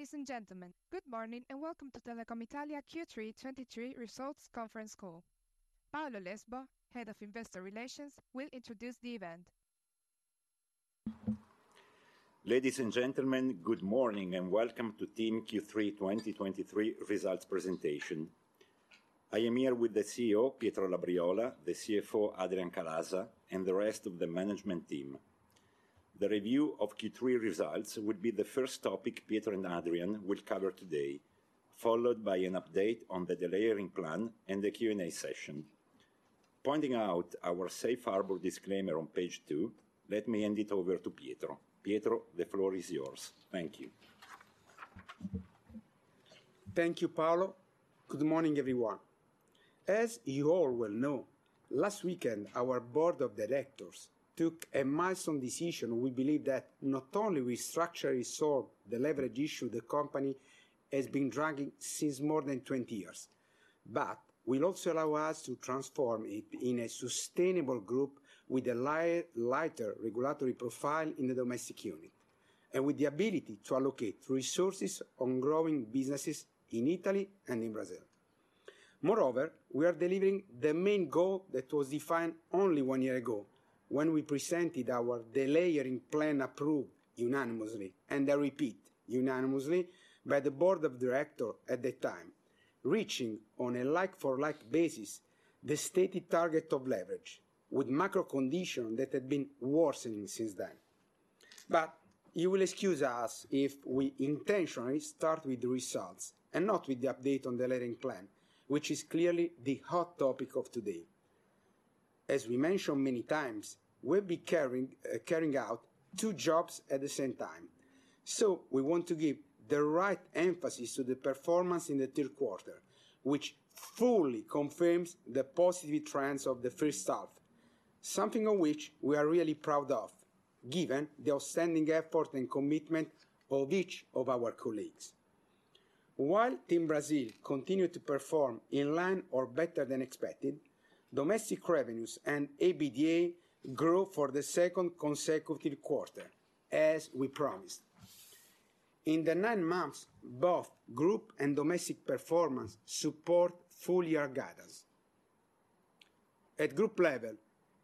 Ladies and gentlemen, good morning, and welcome to Telecom Italia Q3 2023 results conference call. Paolo Lesbo, Head of Investor Relations, will introduce the event. Ladies and gentlemen, good morning, and welcome to TIM Q3 2023 results presentation. I am here with the CEO, Pietro Labriola, the CFO, Adrian Calaza, and the rest of the management team. The review of Q3 results will be the first topic Pietro and Adrian will cover today, followed by an update on the delayering plan and the Q&A session. Pointing out our safe harbor disclaimer on page two, let me hand it over to Pietro. Pietro, the floor is yours. Thank you. Thank you, Paolo. Good morning, everyone. As you all well know, last weekend, our Board of Directors took a milestone decision we believe that not only will structurally solve the leverage issue the company has been dragging since more than 20 years, but will also allow us to transform it in a sustainable group with a lighter regulatory profile in the domestic unit, and with the ability to allocate resources on growing businesses in Italy and in Brazil. Moreover, we are delivering the main goal that was defined only one year ago, when we presented our delayering plan approved unanimously, and I repeat, unanimously, by the Board of Director at the time, reaching on a like-for-like basis, the stated target of leverage with macro condition that had been worsening since then. But you will excuse us if we intentionally start with the results and not with the update on the delayering plan, which is clearly the hot topic of today. As we mentioned many times, we'll be carrying out two jobs at the same time, so we want to give the right emphasis to the performance in the third quarter, which fully confirms the positive trends of the first half, something of which we are really proud of, given the outstanding effort and commitment of each of our colleagues. While TIM Brasil continued to perform in line or better than expected, domestic revenues and EBITDA grew for the second consecutive quarter, as we promised. In the nine months, both group and domestic performance support full year guidance. At group level,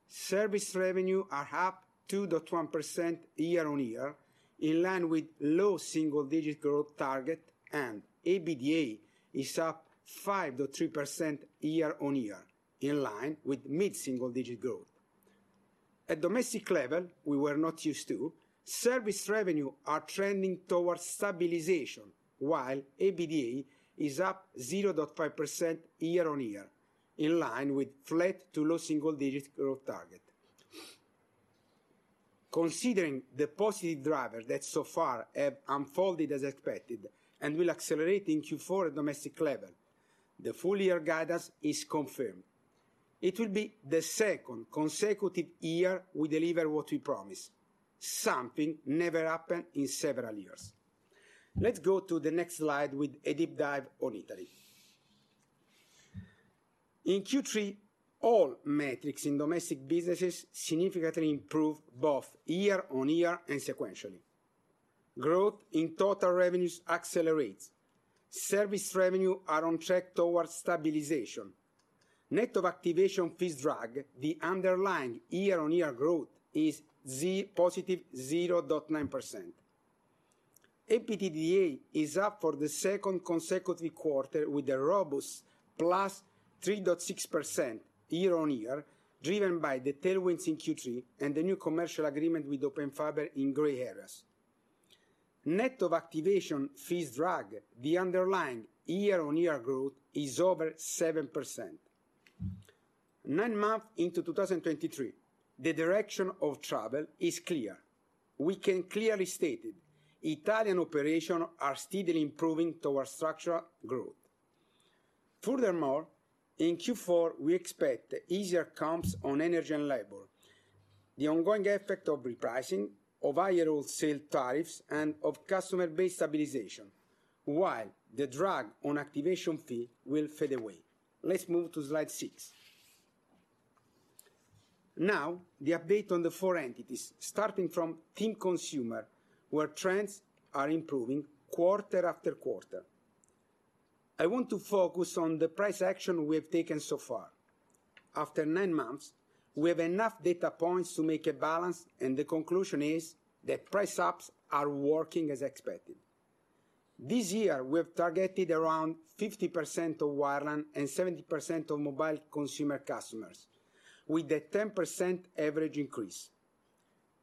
service revenue are up 2.1% year-on-year, in line with low single-digit growth target, and EBITDA is up 5.3% year-on-year, in line with mid-single-digit growth. At domestic level, we were not used to, service revenue are trending towards stabilization, while EBITDA is up 0.5% year-on-year, in line with flat to low single-digit growth target. Considering the positive drivers that so far have unfolded as expected and will accelerate in Q4 at domestic level, the full year guidance is confirmed. It will be the second consecutive year we deliver what we promise. Something never happened in several years. Let's go to the next slide with a deep dive on Italy. In Q3, all metrics in domestic businesses significantly improved both year-on-year and sequentially. Growth in total revenues accelerates. Service revenue are on track towards stabilization. Net of activation fees drag, the underlying year-on-year growth is positive 0.9%. EBITDA is up for the second consecutive quarter with a robust +3.6% year-on-year, driven by the tailwinds in Q3 and the new commercial agreement with Open Fiber in gray areas. Net of activation fees drag, the underlying year-on-year growth is over 7%. Nine months into 2023, the direction of travel is clear. We can clearly state it, Italian operations are steadily improving towards structural growth. Furthermore, in Q4, we expect easier comps on energy and labor, the ongoing effect of repricing, of higher wholesale tariffs, and of customer base stabilization, while the drag on activation fee will fade away. Let's move to slide six. Now, the update on the four entities, starting from TIM Consumer, where trends are improving quarter after quarter. I want to focus on the price action we have taken so far. After 9 months, we have enough data points to make a balance, and the conclusion is that price ups are working as expected. This year, we have targeted around 50% of wireline and 70% of mobile consumer customers, with a 10% average increase.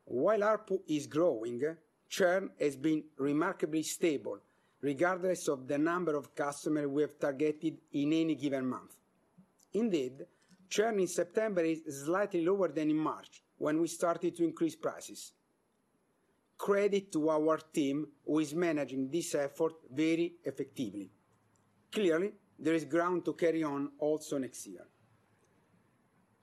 While ARPU is growing, churn has been remarkably stable, regardless of the number of customers we have targeted in any given month. Indeed, churn in September is slightly lower than in March, when we started to increase prices. Credit to our team, who is managing this effort very effectively. Clearly, there is ground to carry on also next year.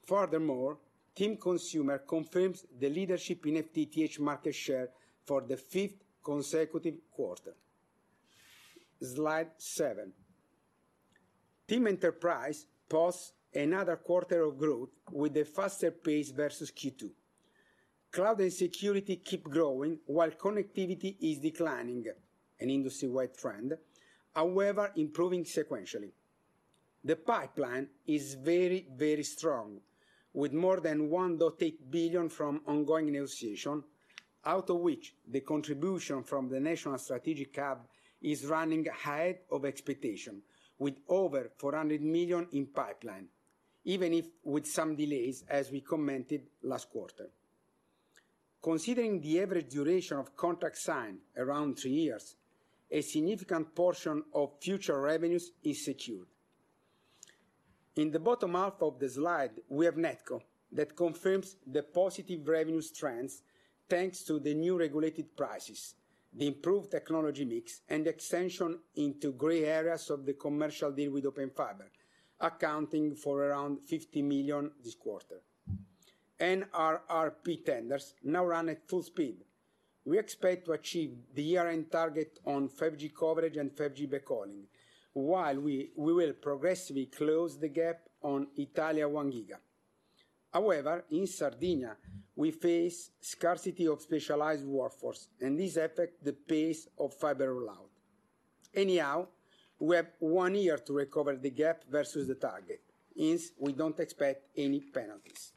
Furthermore, TIM Consumer confirms the leadership in FTTH market share for the fifth consecutive quarter. Slide seven. TIM Enterprise posts another quarter of growth with a faster pace versus Q2. Cloud and security keep growing, while connectivity is declining, an industry-wide trend, however, improving sequentially. The pipeline is very, very strong, with more than 1.8 billion from ongoing negotiation, out of which the contribution from the National Strategic Hub is running ahead of expectation, with over 400 million in pipeline, even if with some delays, as we commented last quarter. Considering the average duration of contract signed around three years, a significant portion of future revenues is secured. In the bottom half of the slide, we have NetCo that confirms the positive revenue trends, thanks to the new regulated prices, the improved technology mix, and extension into gray areas of the commercial deal with Open Fiber, accounting for around 50 million this quarter. NRRP tenders now run at full speed. We expect to achieve the year-end target on 5G coverage and 5G backhauling, while we will progressively close the gap on Italia 1 Giga. However, in Sardinia, we face scarcity of specialized workforce, and this affects the pace of fiber rollout. Anyhow, we have one year to recover the gap versus the target. Hence, we don't expect any penalties.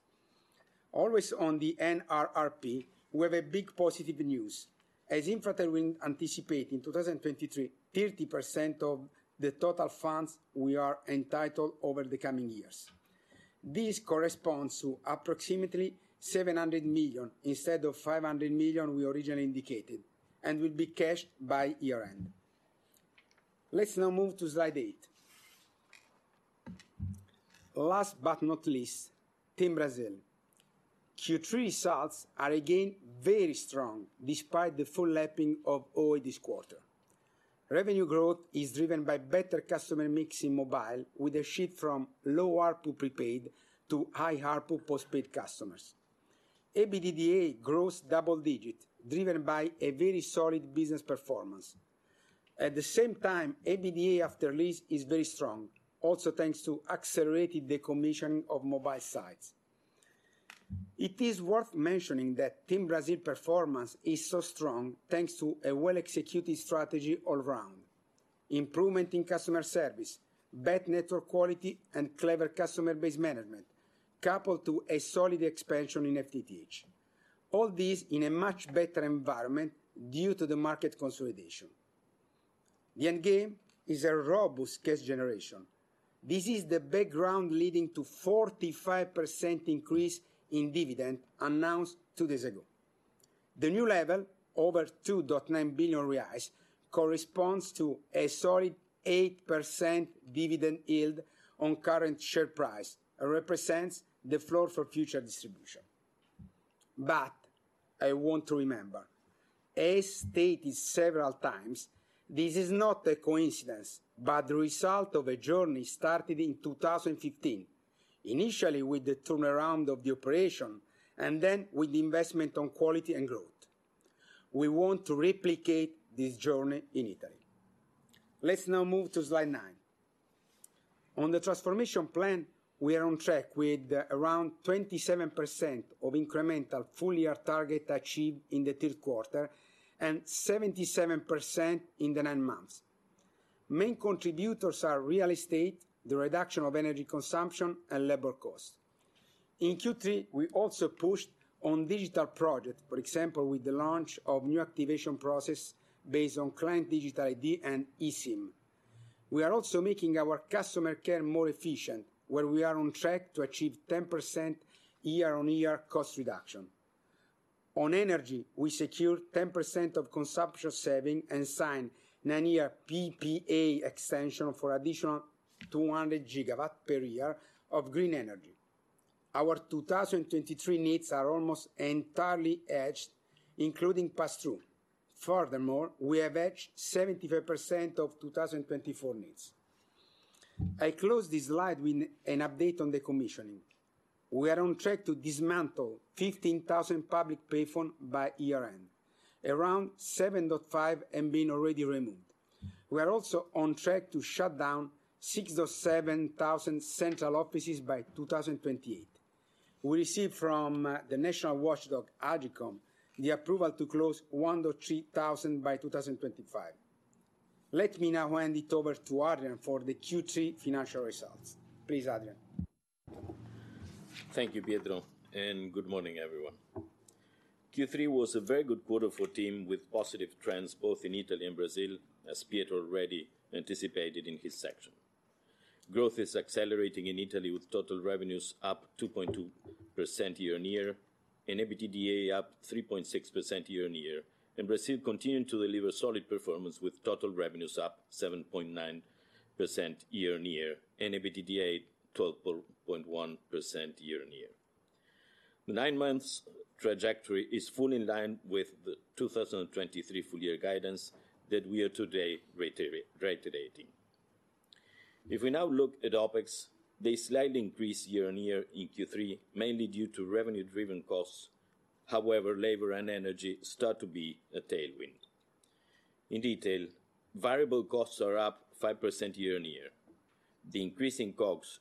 Always on the NRRP, we have a big positive news. As Infratel will anticipate in 2023, 30% of the total funds we are entitled over the coming years. This corresponds to approximately 700 million, instead of 500 million we originally indicated, and will be cashed by year-end. Let's now move to slide eight. Last but not least, TIM Brasil. Q3 results are again very strong, despite the full lapping of Oi this quarter. Revenue growth is driven by better customer mix in mobile, with a shift from low ARPU prepaid to high ARPU postpaid customers. EBITDA grows double-digit, driven by a very solid business performance. At the same time, EBITDA after lease is very strong, also thanks to accelerated decommission of mobile sites. It is worth mentioning that TIM Brazil performance is so strong, thanks to a well-executed strategy all round: improvement in customer service, better network quality, and clever customer base management, coupled to a solid expansion in FTTH. All this in a much better environment due to the market consolidation. The end game is a robust cash generation. This is the background leading to 45% increase in dividend announced two days ago. The new level, over 2.9 billion reais, corresponds to a solid 8% dividend yield on current share price and represents the floor for future distribution. But I want to remember, as stated several times, this is not a coincidence, but the result of a journey started in 2015, initially with the turnaround of the operation, and then with the investment on quality and growth. We want to replicate this journey in Italy. Let's now move to slide nine. On the transformation plan, we are on track with around 27% of incremental full-year target achieved in the third quarter and 77% in the nine months. Main contributors are real estate, the reduction of energy consumption, and labor cost. In Q3, we also pushed on digital project, for example, with the launch of new activation process based on client digital ID and eSIM. We are also making our customer care more efficient, where we are on track to achieve 10% year-on-year cost reduction. On energy, we secured 10% of consumption saving and signed 9-year PPA extension for additional 200 gigawatt per year of green energy. Our 2023 needs are almost entirely hedged, including pass-through. Furthermore, we have hedged 75% of 2024 needs. I close this slide with an update on the commissioning. We are on track to dismantle 15,000 public payphone by year-end, around 7.5 have been already removed. We are also on track to shut down 6,700 central offices by 2028. We received from the national watchdog, AGCOM, the approval to close 1,300 by 2025. Let me now hand it over to Adrian for the Q3 financial results. Please, Adrian. Thank you, Pietro, and good morning, everyone. Q3 was a very good quarter for TIM, with positive trends, both in Italy and Brazil, as Pietro already anticipated in his section. Growth is accelerating in Italy, with total revenues up 2.2% year-on-year, and EBITDA up 3.6% year-on-year. Brazil continuing to deliver solid performance, with total revenues up 7.9% year-on-year and EBITDA 12.1% year-on-year. The nine months trajectory is fully in line with the 2023 full year guidance that we are today reiterating. If we now look at OpEx, they slightly increase year-on-year in Q3, mainly due to revenue-driven costs. However, labor and energy start to be a tailwind. In detail, variable costs are up 5% year-on-year. The increase in COGS,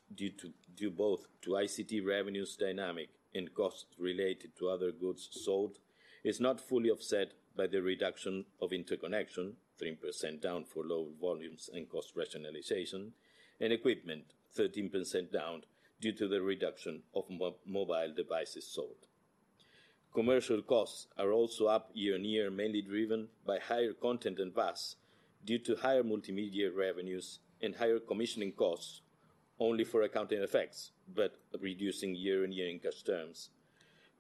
due both to ICT revenues dynamics and costs related to other goods sold, is not fully offset by the reduction of interconnection, 3% down for lower volumes and cost rationalization, and equipment 13% down due to the reduction of mobile devices sold. Commercial costs are also up year-on-year, mainly driven by higher content and VAS, due to higher multimedia revenues and higher commissioning costs only for accounting effects, but reducing year-on-year in cash terms,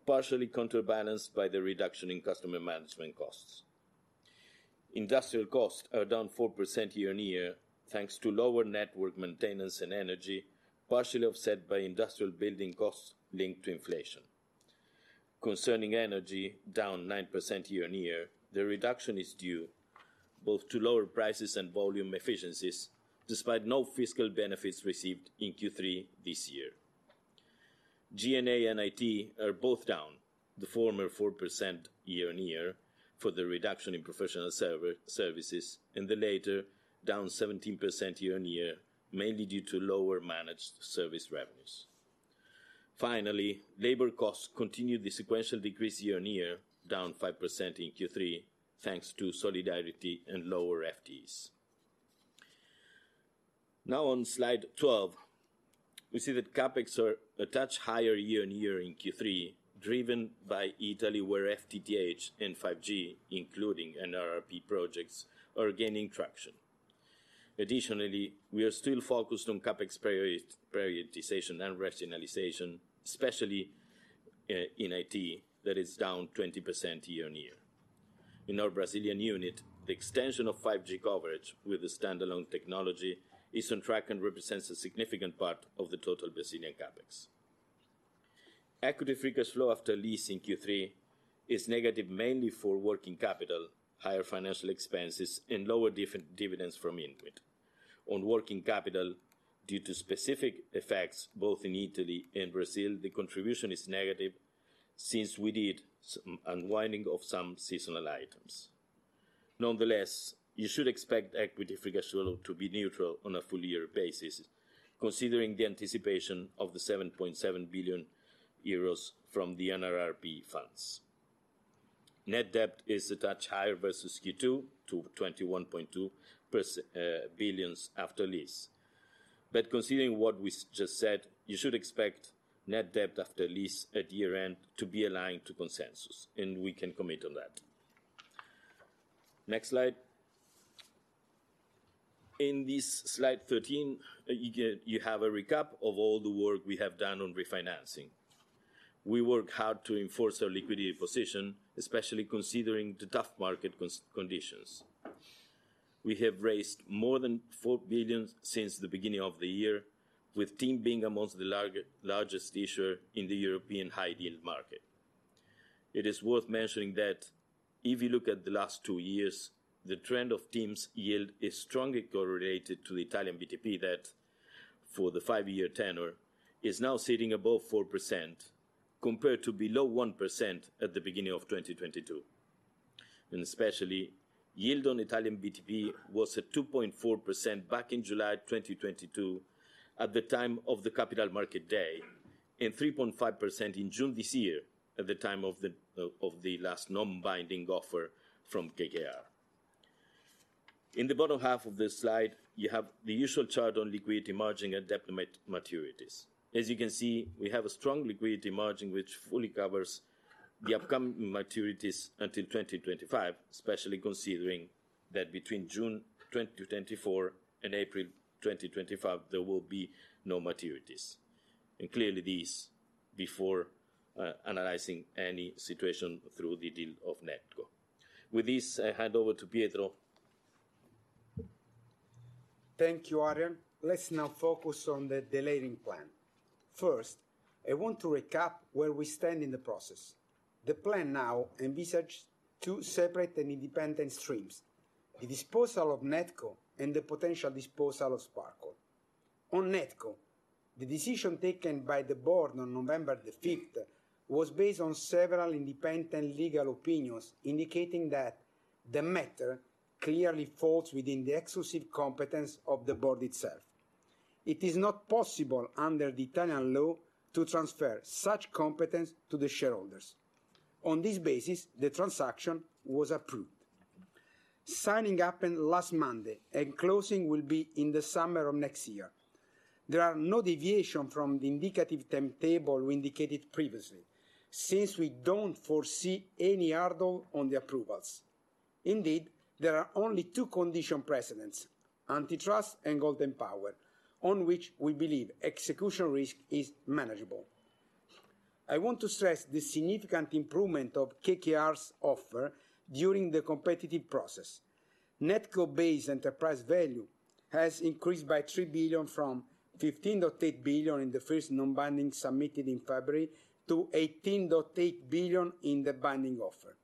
partially counterbalanced by the reduction in customer management costs. Industrial costs are down 4% year-on-year, thanks to lower network maintenance and energy, partially offset by industrial building costs linked to inflation. Concerning energy, down 9% year-on-year, the reduction is due both to lower prices and volume efficiencies, despite no fiscal benefits received in Q3 this year. G&A and IT are both down, the former 4% year-on-year for the reduction in professional server services, and the latter down 17% year-on-year, mainly due to lower managed service revenues. Finally, labor costs continued the sequential decrease year-on-year, down 5% in Q3, thanks to solidarity and lower FTEs. Now, on slide 12, we see that CapEx are a touch higher year-on-year in Q3, driven by Italy, where FTTH and 5G, including NRRP projects, are gaining traction. Additionally, we are still focused on CapEx prioritization and rationalization, especially in IT, that is down 20% year-on-year. In our Brazilian unit, the extension of 5G coverage with the standalone technology is on track and represents a significant part of the total Brazilian CapEx. Equity free cash flow after lease in Q3 is negative, mainly for working capital, higher financial expenses, and lower dividends from INWIT. On working capital, due to specific effects both in Italy and Brazil, the contribution is negative since we did some unwinding of some seasonal items. Nonetheless, you should expect Equity Free Cash Flow to be neutral on a full year basis, considering the anticipation of the 7.7 billion euros from the NRRP funds. Net debt is a touch higher versus Q2, to 21.2 billion after lease. But considering what we just said, you should expect net debt after lease at year-end to be aligned to consensus, and we can commit on that. Next slide. In this slide 13, you get you have a recap of all the work we have done on refinancing. We work hard to enforce our liquidity position, especially considering the tough market conditions. We have raised more than 4 billion since the beginning of the year, with TIM being among the largest issuer in the European high-yield market. It is worth mentioning that if you look at the last two years, the trend of TIM's yield is strongly correlated to the Italian BTP that, for the 5-year tenor, is now sitting above 4%, compared to below 1% at the beginning of 2022. Especially, yield on Italian BTP was at 2.4% back in July 2022, at the time of the Capital Market Day, and 3.5% in June this year, at the time of the last non-binding offer from KKR. In the bottom half of this slide, you have the usual chart on liquidity margin and debt maturities. As you can see, we have a strong liquidity margin, which fully covers the upcoming maturities until 2025, especially considering that between June 2024 and April 2025, there will be no maturities. Clearly, this before analyzing any situation through the deal of NetCo. With this, I hand over to Pietro. Thank you, Adrian. Let's now focus on the delisting plan. First, I want to recap where we stand in the process. The plan now envisages two separate and independent streams: the disposal of NetCo and the potential disposal of Sparkle. On NetCo, the decision taken by the board on November 5, was based on several independent legal opinions, indicating that the matter clearly falls within the exclusive competence of the board itself. It is not possible, under the Italian law, to transfer such competence to the shareholders. On this basis, the transaction was approved. Signing happened last Monday, and closing will be in the summer of next year. There are no deviation from the indicative timetable we indicated previously, since we don't foresee any hurdle on the approvals. Indeed, there are only two condition precedents: antitrust and Golden Power, on which we believe execution risk is manageable. I want to stress the significant improvement of KKR's offer during the competitive process. NetCo base enterprise value has increased by 3 billion from 15.8 billion in the first non-binding submitted in February, to 18.8 billion in the binding offer.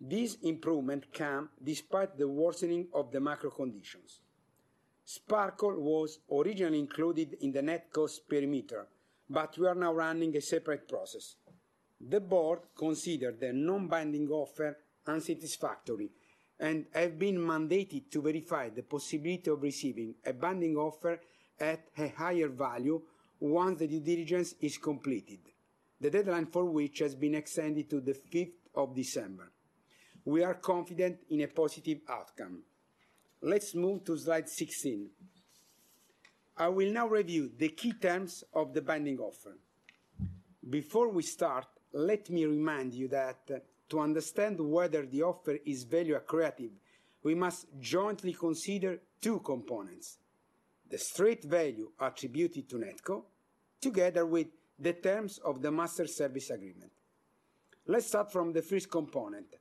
This improvement came despite the worsening of the macro conditions. Sparkle was originally included in the NetCo's perimeter, but we are now running a separate process. The board considered the non-binding offer unsatisfactory, and have been mandated to verify the possibility of receiving a binding offer at a higher value once the due diligence is completed, the deadline for which has been extended to the fifth of December. We are confident in a positive outcome. Let's move to slide 16. I will now review the key terms of the binding offer. Before we start, let me remind you that to understand whether the offer is value accretive, we must jointly consider two components: the straight value attributed to NetCo, together with the terms of the Master Service Agreement. Let's start from the first component.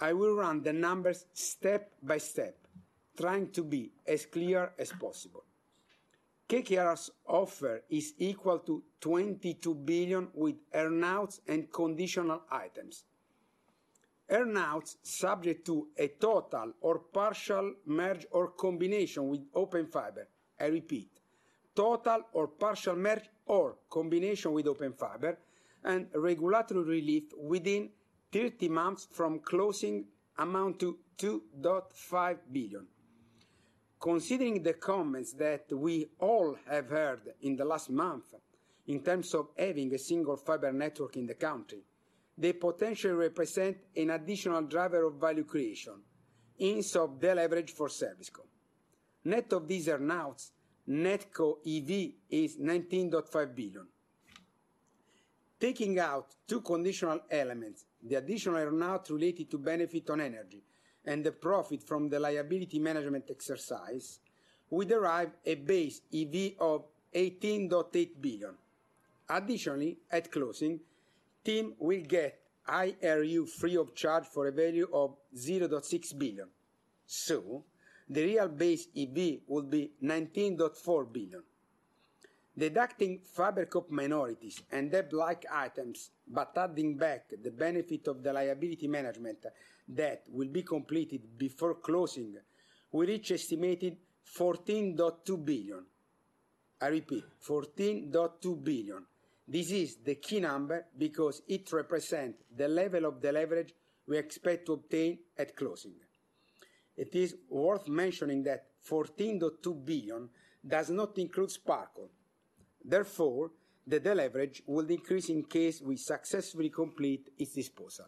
I will run the numbers step by step, trying to be as clear as possible. KKR's offer is equal to 22 billion with earn-outs and conditional items. Earn-outs subject to a total or partial merge or combination with Open Fiber. I repeat, total or partial merge or combination with Open Fiber and regulatory relief within 30 months from closing amount to 2.5 billion. Considering the comments that we all have heard in the last month, in terms of having a single fiber network in the country, they potentially represent an additional driver of value creation and deleverage for ServiceCo. Net of these earn-outs, NetCo EV is 19.5 billion. Taking out two conditional elements, the additional earn-out related to benefit on energy and the profit from the liability management exercise, we derive a base EV of 18.8 billion. Additionally, at closing, TIM will get IRU free of charge for a value of 0.6 billion. So the real base EV would be 19.4 billion. Deducting FiberCop minorities and debt-like items, but adding back the benefit of the liability management that will be completed before closing, we reach estimated 14.2 billion. I repeat, 14.2 billion. This is the key number because it represent the level of the leverage we expect to obtain at closing. It is worth mentioning that 14.2 billion does not include Sparkle. Therefore, the deleverage will increase in case we successfully complete its disposal.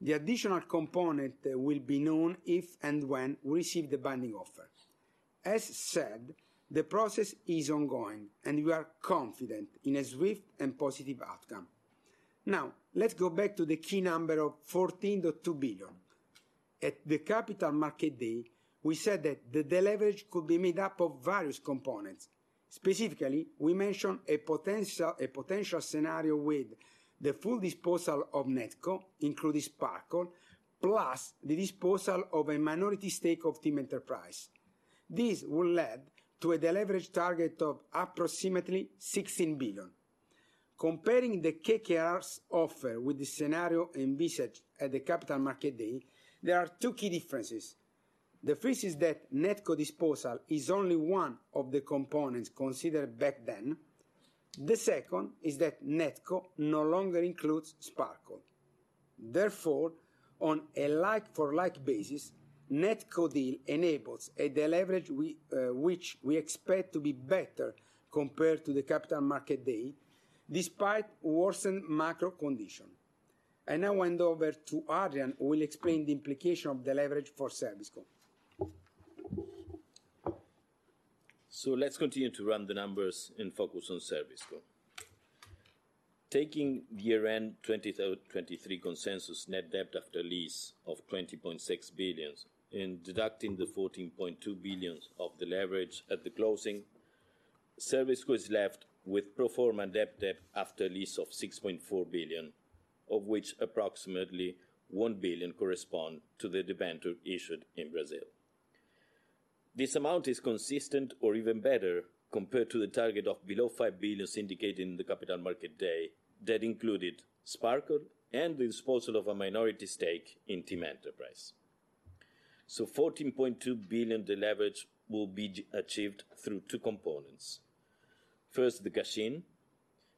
The additional component will be known if and when we receive the binding offer. As said, the process is ongoing, and we are confident in a swift and positive outcome. Now, let's go back to the key number of 14.2 billion. At the Capital Market Day, we said that the deleverage could be made up of various components. Specifically, we mentioned a potential scenario with the full disposal of NetCo, including Sparkle, plus the disposal of a minority stake of TIM Enterprise. This will lead to a deleverage target of approximately 16 billion. Comparing the KKR's offer with the scenario envisaged at the Capital Market Day, there are two key differences. The first is that NetCo disposal is only one of the components considered back then. The second is that NetCo no longer includes Sparkle. Therefore, on a like-for-like basis, NetCo deal enables a deleverage we, which we expect to be better compared to the Capital Market Day, despite worsened macro condition. I now hand over to Adrian, who will explain the implication of deleverage for ServiceCo. So let's continue to run the numbers and focus on ServiceCo. Taking the year-end 2023 consensus net debt after lease of 20.6 billion and deducting the 14.2 billion of deleverage at the closing, ServiceCo is left with pro forma net debt after lease of 6.4 billion, of which approximately 1 billion correspond to the debenture issued in Brazil. This amount is consistent or even better compared to the target of below 5 billion indicated in the Capital Market Day, that included Sparkle and the disposal of a minority stake in TIM Enterprise. So 14.2 billion deleverage will be achieved through two components: first, the cash in,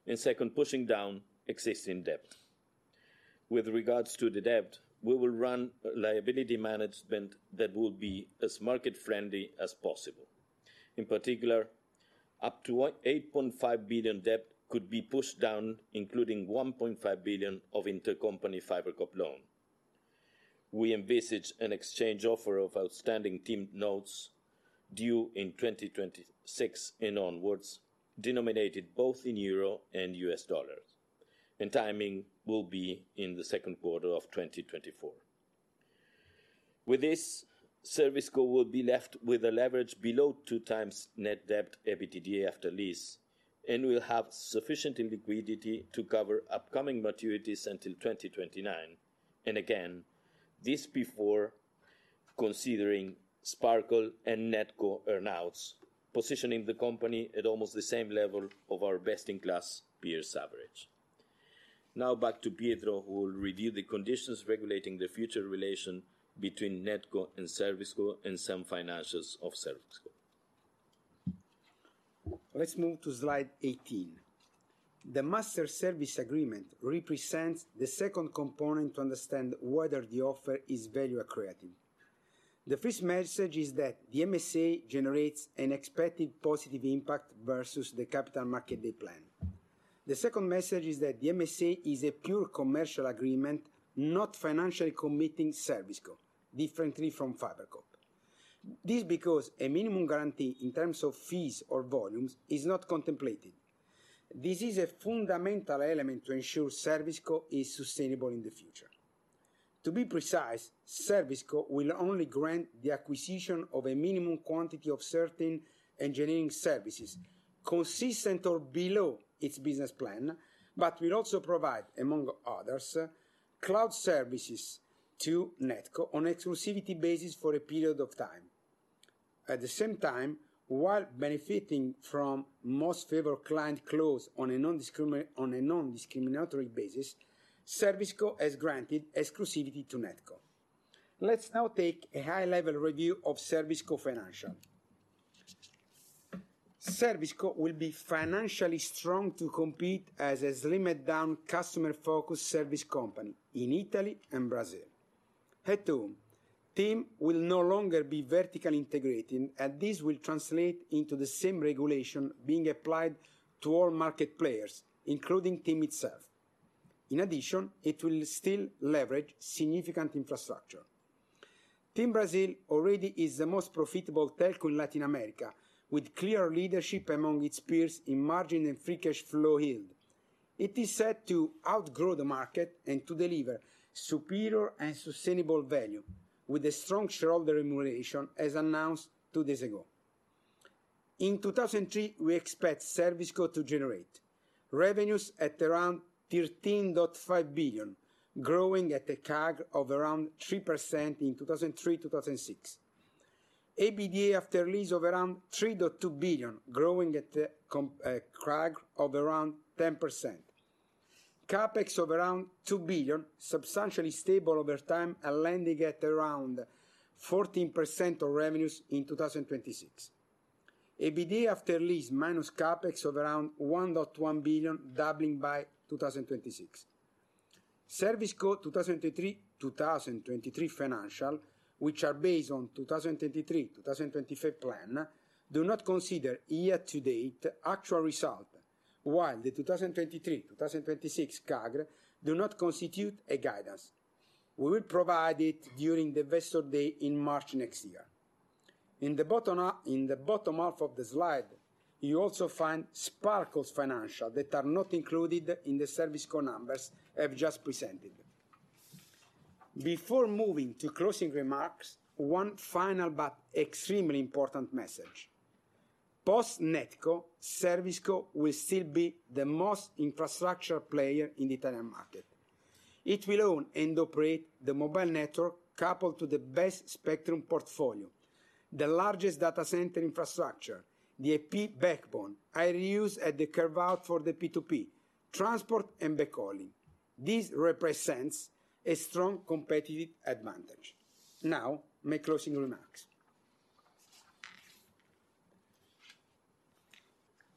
and second, pushing down existing debt. With regards to the debt, we will run a liability management that will be as market-friendly as possible. In particular, up to 8.5 billion debt could be pushed down, including 1.5 billion of intercompany FiberCop loan. We envisage an exchange offer of outstanding TIM notes due in 2026 and onwards, denominated both in Euro and U.S. dollars, and timing will be in the second quarter of 2024. With this, ServiceCo will be left with a leverage below 2x net debt EBITDA after lease, and will have sufficient liquidity to cover upcoming maturities until 2029. And again, this before considering Sparkle and NetCo earn-outs, positioning the company at almost the same level of our best-in-class peers average.... Now back to Pietro, who will review the conditions regulating the future relation between NetCo and ServiceCo and some financials of ServiceCo. Let's move to slide 18. The Master Service Agreement represents the second component to understand whether the offer is value accretive. The first message is that the MSA generates an expected positive impact versus the Capital Market Day plan. The second message is that the MSA is a pure commercial agreement, not financially committing ServiceCo, differently from FiberCo. This is because a minimum guarantee in terms of fees or volumes is not contemplated. This is a fundamental element to ensure ServiceCo is sustainable in the future. To be precise, ServiceCo will only grant the acquisition of a minimum quantity of certain engineering services consistent or below its business plan, but will also provide, among others, cloud services to NetCo on exclusivity basis for a period of time. At the same time, while benefiting from most favored client clause on a non-discriminatory basis, ServiceCo has granted exclusivity to NetCo. Let's now take a high-level review of ServiceCo financials. ServiceCo will be financially strong to compete as a slimmed-down, customer-focused service company in Italy and Brazil. At home, TIM will no longer be vertically integrated, and this will translate into the same regulation being applied to all market players, including TIM itself. In addition, it will still leverage significant infrastructure. TIM Brazil already is the most profitable telco in Latin America, with clear leadership among its peers in margin and free cash flow yield. It is set to outgrow the market and to deliver superior and sustainable value with a strong shareholder remuneration, as announced two days ago. In 2023, we expect ServiceCo to generate revenues at around 13.5 billion, growing at a CAGR of around 3% in 2023-2026. EBITDA after lease of around 3.2 billion, growing at a CAGR of around 10%. CapEx of around 2 billion, substantially stable over time and landing at around 14% of revenues in 2026. EBITDA after lease minus CapEx of around 1.1 billion, doubling by 2026. ServiceCo 2023 to 2023 financial, which are based on 2023-2025 plan, do not consider year-to-date actual result, while the 2023-2026 CAGR do not constitute a guidance. We will provide it during the Investor Day in March next year. In the bottom half, in the bottom half of the slide, you also find Sparkle's financials that are not included in the ServiceCo numbers I've just presented. Before moving to closing remarks, one final but extremely important message. Post NetCo, ServiceCo will still be the most infrastructure player in the Italian market. It will own and operate the mobile network coupled to the best spectrum portfolio, the largest data center infrastructure, the IP backbone, high reuse at the carve-out for the P2P, transport, and backhauling. This represents a strong competitive advantage. Now, my closing remarks.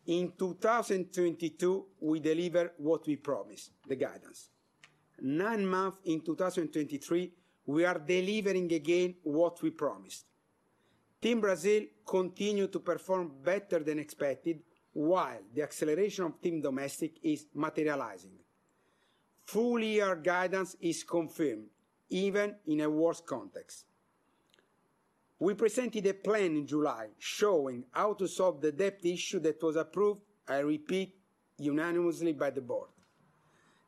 In 2022, we delivered what we promised, the guidance. Nine months in 2023, we are delivering again what we promised. TIM Brasil continued to perform better than expected, while the acceleration of TIM Domestic is materializing. Full-year guidance is confirmed, even in a worse context. We presented a plan in July showing how to solve the debt issue that was approved, I repeat, unanimously by the board.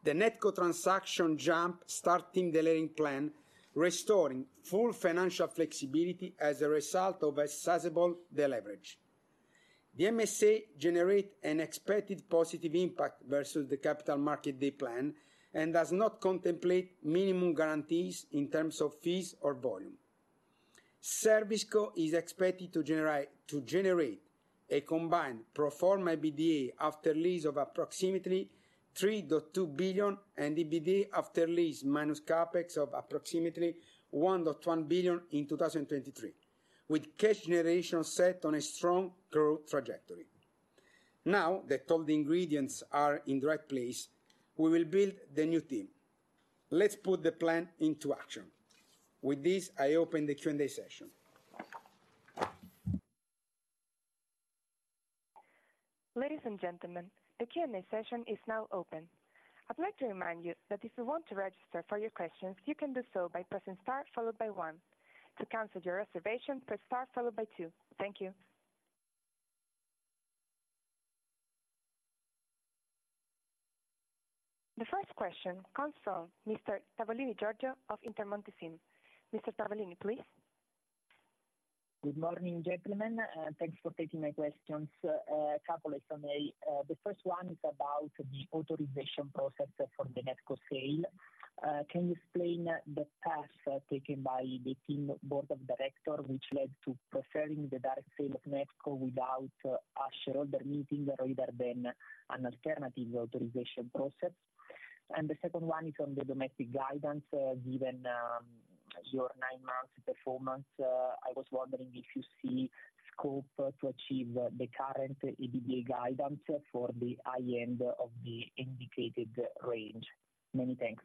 The NetCo transaction jumpstarts the TIM Delayaring Plan, restoring full financial flexibility as a result of a sizable deleverage. The MSA generates an expected positive impact versus the Capital Market Day plan and does not contemplate minimum guarantees in terms of fees or volume. ServiceCo is expected to generate a combined pro forma EBITDA after lease of approximately 3.2 billion and EBITDA after lease minus CapEx of approximately 1.1 billion in 2023, with cash generation set on a strong growth trajectory. Now that all the ingredients are in the right place, we will build the new team. Let's put the plan into action. With this, I open the Q&A session. Ladies and gentlemen, the Q&A session is now open. I'd like to remind you that if you want to register for your questions, you can do so by pressing star followed by one. To cancel your reservation, press star followed by two. Thank you. The first question comes from Mr. Giorgio Tavolini of Intermonte SIM. Mr. Tavolini, please. Good morning, gentlemen, thanks for taking my questions. A couple of some... The first one is about the authorization process for the NetCo sale. Can you explain the path taken by the team board of director, which led to preferring the direct sale of NetCo without a shareholder meeting rather than an alternative authorization process? And the second one is on the domestic guidance, given your nine months performance, I was wondering if you see scope to achieve the current EBITDA guidance for the high end of the indicated range. Many thanks.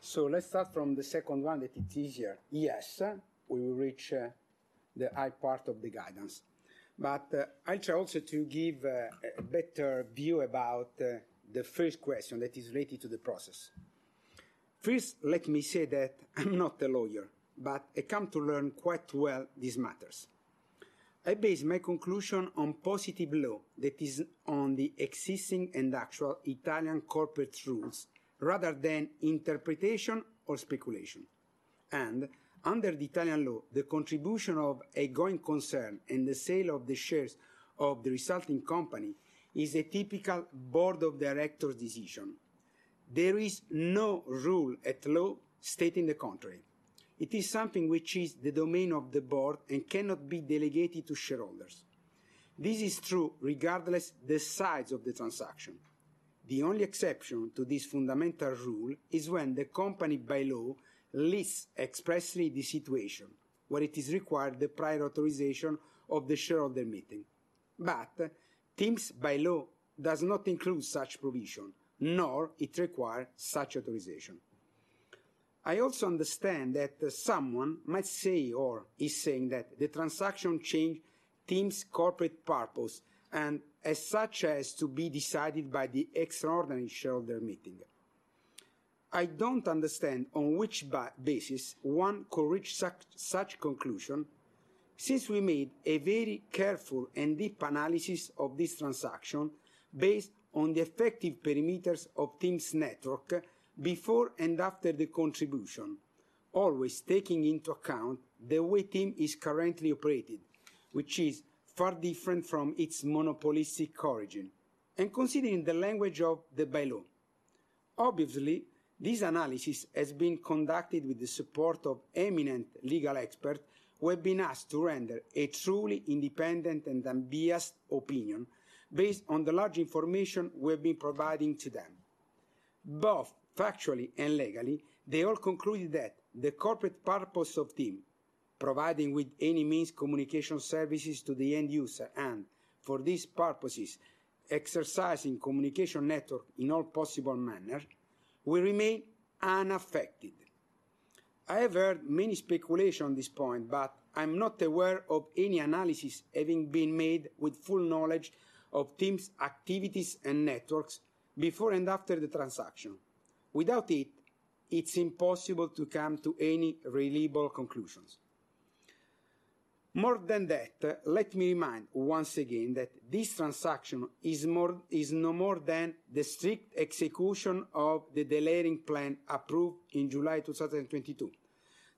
So let's start from the second one, that it's easier. Yes, sir, we will reach the high part of the guidance. But I try also to give a better view about the first question that is related to the process. First, let me say that I'm not a lawyer, but I come to learn quite well these matters. I base my conclusion on positive law, that is on the existing and actual Italian corporate rules, rather than interpretation or speculation. And under the Italian law, the contribution of a going concern and the sale of the shares of the resulting company is a typical board of directors decision. There is no rule at law stating the contrary. It is something which is the domain of the board and cannot be delegated to shareholders. This is true regardless the size of the transaction. The only exception to this fundamental rule is when the company by law lists expressly the situation, where it is required the prior authorization of the shareholder meeting. But TIM's bylaw does not include such provision, nor it requires such authorization. I also understand that someone might say, or is saying, that the transaction changes TIM's corporate purpose and as such has to be decided by the extraordinary shareholder meeting. I don't understand on which basis one could reach such conclusion, since we made a very careful and deep analysis of this transaction based on the effective parameters of TIM's network before and after the contribution. Always taking into account the way TIM is currently operated, which is far different from its monopolistic origin, and considering the language of the bylaw. Obviously, this analysis has been conducted with the support of eminent legal experts who have been asked to render a truly independent and unbiased opinion based on the large information we've been providing to them. Both factually and legally, they all concluded that the corporate purpose of TIM, providing with any means communication services to the end user, and for these purposes, exercising communication network in all possible manner, will remain unaffected. I have heard many speculation on this point, but I'm not aware of any analysis having been made with full knowledge of TIM's activities and networks before and after the transaction. Without it, it's impossible to come to any reliable conclusions. More than that, let me remind once again that this transaction is no more than the strict execution of the de-levering plan approved in July 2022.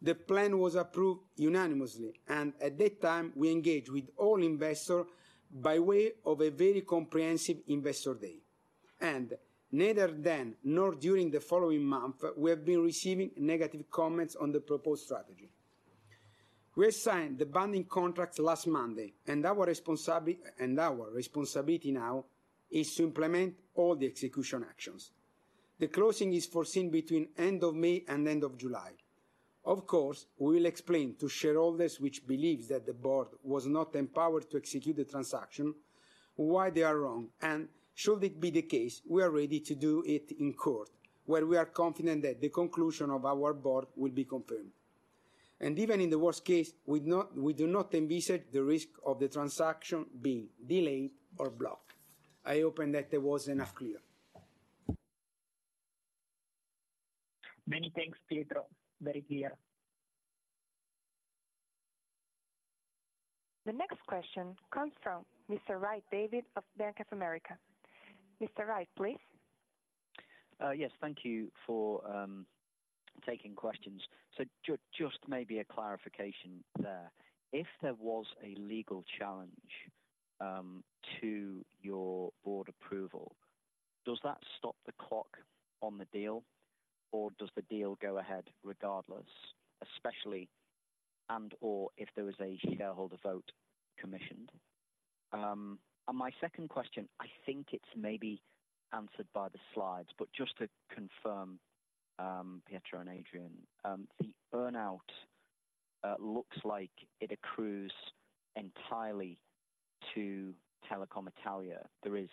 The plan was approved unanimously, and at that time, we engaged with all investors by way of a very comprehensive investor day. Neither then nor during the following month, we have been receiving negative comments on the proposed strategy. We assigned the binding contract last Monday, and our responsibility now is to implement all the execution actions. The closing is foreseen between end of May and end of July. Of course, we will explain to shareholders which believes that the board was not empowered to execute the transaction, why they are wrong, and should it be the case, we are ready to do it in court, where we are confident that the conclusion of our board will be confirmed. Even in the worst case, we do not envisage the risk of the transaction being delayed or blocked. I hope that it was enough clear. Many thanks, Pietro. Very clear. The next question comes from Mr. Wright, David of Bank of America. Mr. Wright, please. Yes, thank you for taking questions. So just maybe a clarification there. If there was a legal challenge to your board approval, does that stop the clock on the deal, or does the deal go ahead regardless, especially, and/or if there was a shareholder vote commissioned? And my second question, I think it's maybe answered by the slides, but just to confirm, Pietro and Adrian, the burnout looks like it accrues entirely to Telecom Italia. There is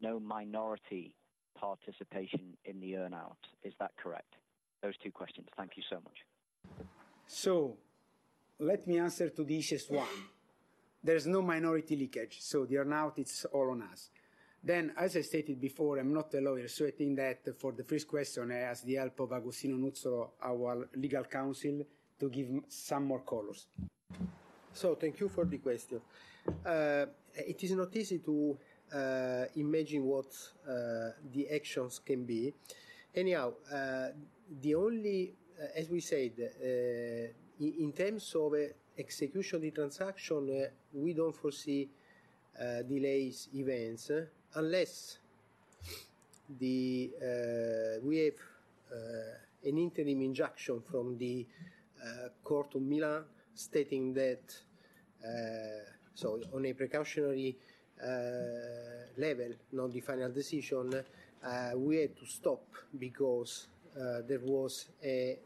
no minority participation in the earn-out. Is that correct? Those two questions. Thank you so much. So let me answer to the easiest one. There is no minority leakage, so the earn-out, it's all on us. Then, as I stated before, I'm not a lawyer, so I think that for the first question, I ask the help of Agostino Nuzzolo, our legal counsel, to give some more colors. So thank you for the question. It is not easy to imagine what the actions can be. Anyhow, the only, as we said, in terms of execution the transaction, we don't foresee delays events unless we have an interim injunction from the Court of Milan stating that. So on a precautionary level, not the final decision, we had to stop because there was an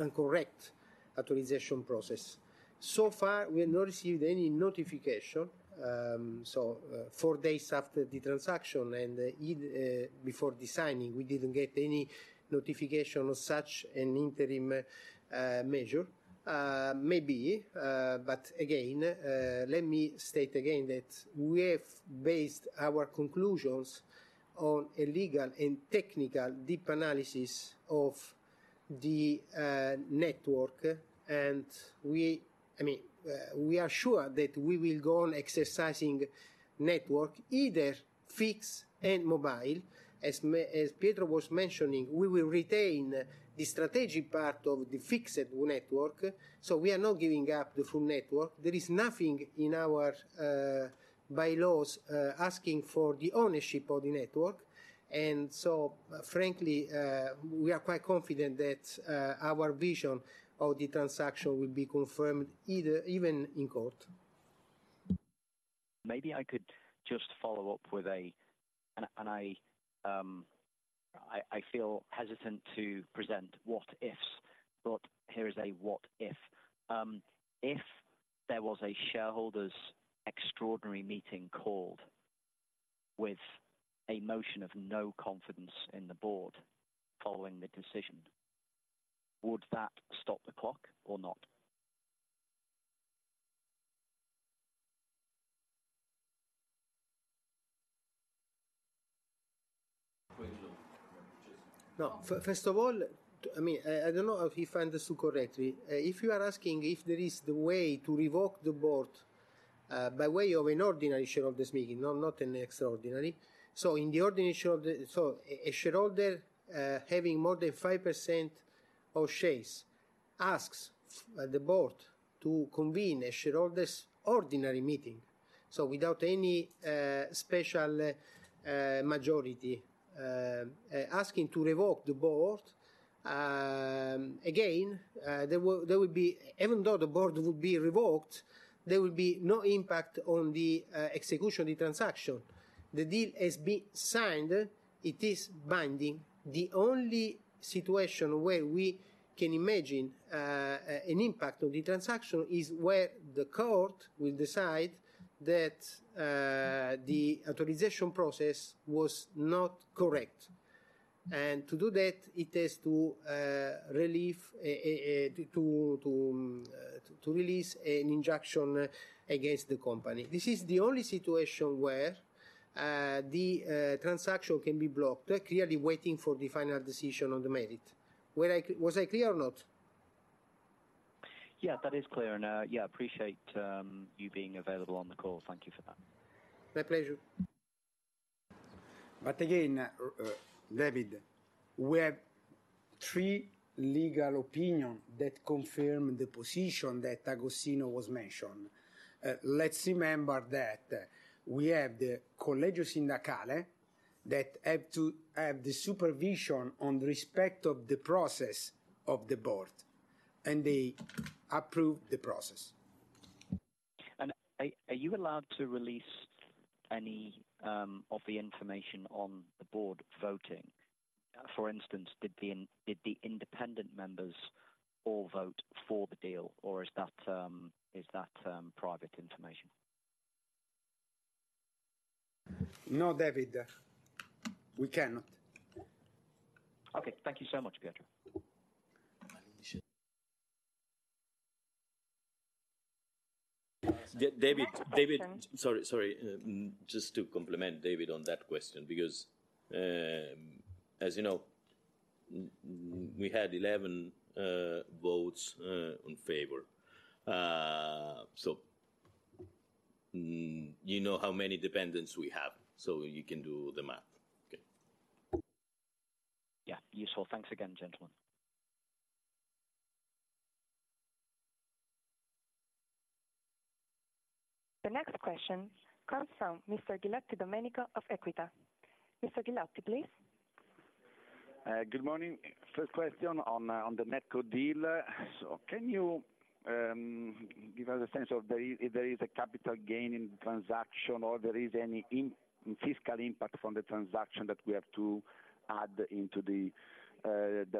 incorrect authorization process. So far, we have not received any notification. So, four days after the transaction and even before the signing, we didn't get any notification of such an interim measure. Maybe, but again, let me state again that we have based our conclusions on a legal and technical deep analysis of the network. I mean, we are sure that we will go on exercising network, either fixed and mobile. As Pietro was mentioning, we will retain the strategic part of the fixed network, so we are not giving up the full network. There is nothing in our bylaws asking for the ownership of the network, and so, frankly, we are quite confident that our vision of the transaction will be confirmed either even in court. Maybe I could just follow up with a... And I feel hesitant to present what ifs, but here is a what if. If there was a shareholders extraordinary meeting called with a motion of no confidence in the board following the decision, would that stop the clock or not? No, first of all, I mean, I don't know if I understood correctly. If you are asking if there is the way to revoke the board, by way of an ordinary shareholders meeting, no, not an extraordinary. So in the ordinary shareholder, so a shareholder, having more than 5% of shares, asks, the board to convene a shareholders ordinary meeting. So without any, special, majority, asking to revoke the board, again, there will be even though the board would be revoked, there will be no impact on the, execution of the transaction. The deal has been signed. It is binding. The only situation where we can imagine, an impact on the transaction is where the court will decide that, the authorization process was not correct. And to do that, it has to release an injunction against the company. This is the only situation where the transaction can be blocked, clearly waiting for the final decision on the merits. Was I clear or not? Yeah, that is clear. And yeah, appreciate you being available on the call. Thank you for that. My pleasure. But again, David, we have three legal opinion that confirm the position that Agostino was mentioned. Let's remember that we have the Collegio Sindacale, that have to have the supervision on the respect of the process of the board, and they approve the process. Are you allowed to release any of the information on the board voting? For instance, did the independent members all vote for the deal, or is that private information? No, David, we cannot. Okay, thank you so much, Pietro. You should- David. David, sorry, sorry. Just to complement David on that question, because, as you know, we had 11 votes in favor. So, you know how many dependents we have, so you can do the math. Okay. Yeah, useful. Thanks again, gentlemen. The next question comes from Mr. Ghilotti, Domenico of Equita. Mr. Ghilotti, please. Good morning. First question on the NetCo deal. So can you give us a sense of there is a capital gain in the transaction or there is any fiscal impact from the transaction that we have to add into the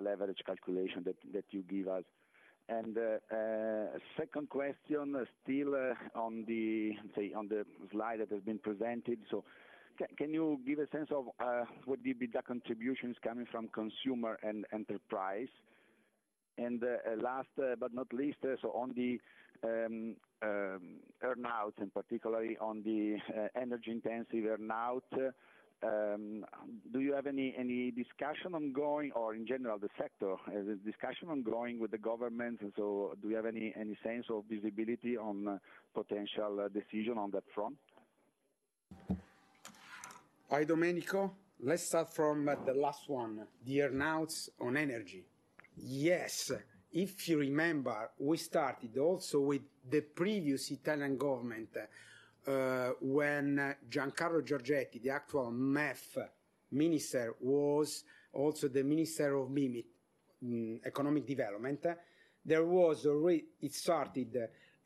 leverage calculation that you give us? And second question, still on the slide that has been presented. So can you give a sense of what the EBITDA contribution is coming from consumer and enterprise? And last, but not least, so on the earn-out, and particularly on the energy intensive earn-out, do you have any discussion ongoing or in general, the sector, is the discussion ongoing with the government? And so do you have any sense of visibility on potential decision on that front? Hi, Domenico. Let's start from the last one, the earn-outs on energy. Yes, if you remember, we started also with the previous Italian government, when Giancarlo Giorgetti, the actual MEF minister, was also the Minister of MIM, Economic Development. There was already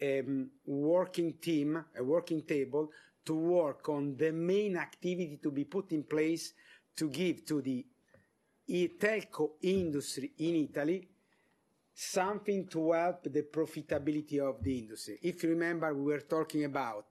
a working team, a working table, to work on the main activity to be put in place to give to the e-telco industry in Italy, something to help the profitability of the industry. If you remember, we were talking about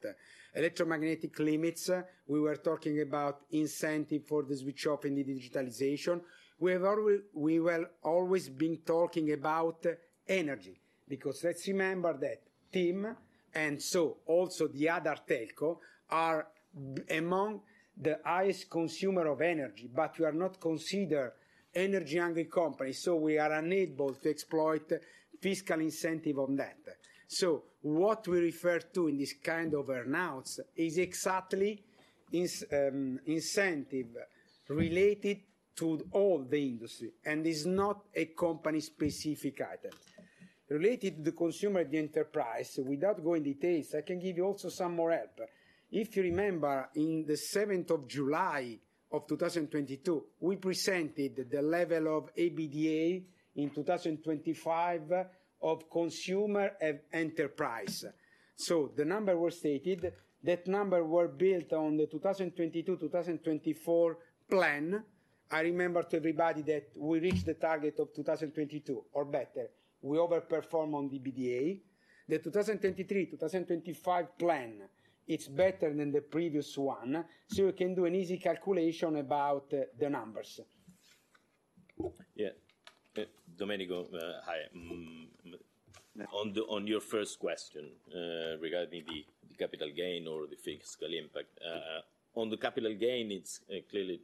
electromagnetic limits, we were talking about incentive for the switch off in the digitalization. We have always-- we were always been talking about energy, because let's remember that TIM, and so also the other telco, are among the highest consumer of energy, but we are not considered energy-hungry company, so we are unable to exploit fiscal incentive on that. So what we refer to in this kind of earn-outs is exactly incentives related to all the industry, and is not a company-specific item. Related to the consumer, the enterprise, without going details, I can give you also some more help. If you remember, in the seventh of July of 2022, we presented the level of EBITDA in 2025 of consumer enterprise. So the numbers were stated. That numbers were built on the 2022, 2024 plan. I remember to everybody that we reached the target of 2022, or better, we overperformed on the EBITDA. The 2023, 2025 plan, it's better than the previous one, so you can do an easy calculation about the, the numbers. Yeah. Domenico, hi. On the, on your first question, regarding the capital gain or the fiscal impact. On the capital gain, it's clearly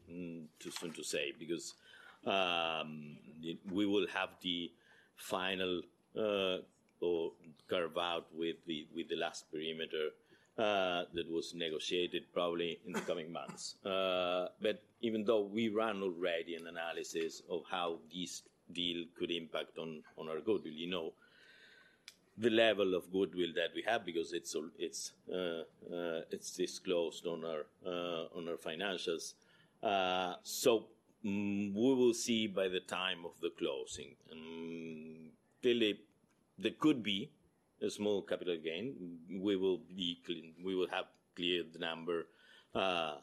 too soon to say because the... We will have the final or carve out with the last perimeter that was negotiated probably in the coming months. But even though we ran already an analysis of how this deal could impact on our goodwill, you know, the level of goodwill that we have, because it's all, it's disclosed on our financials. So, we will see by the time of the closing. Clearly, there could be a small capital gain. We will be clear, We will have clear the number by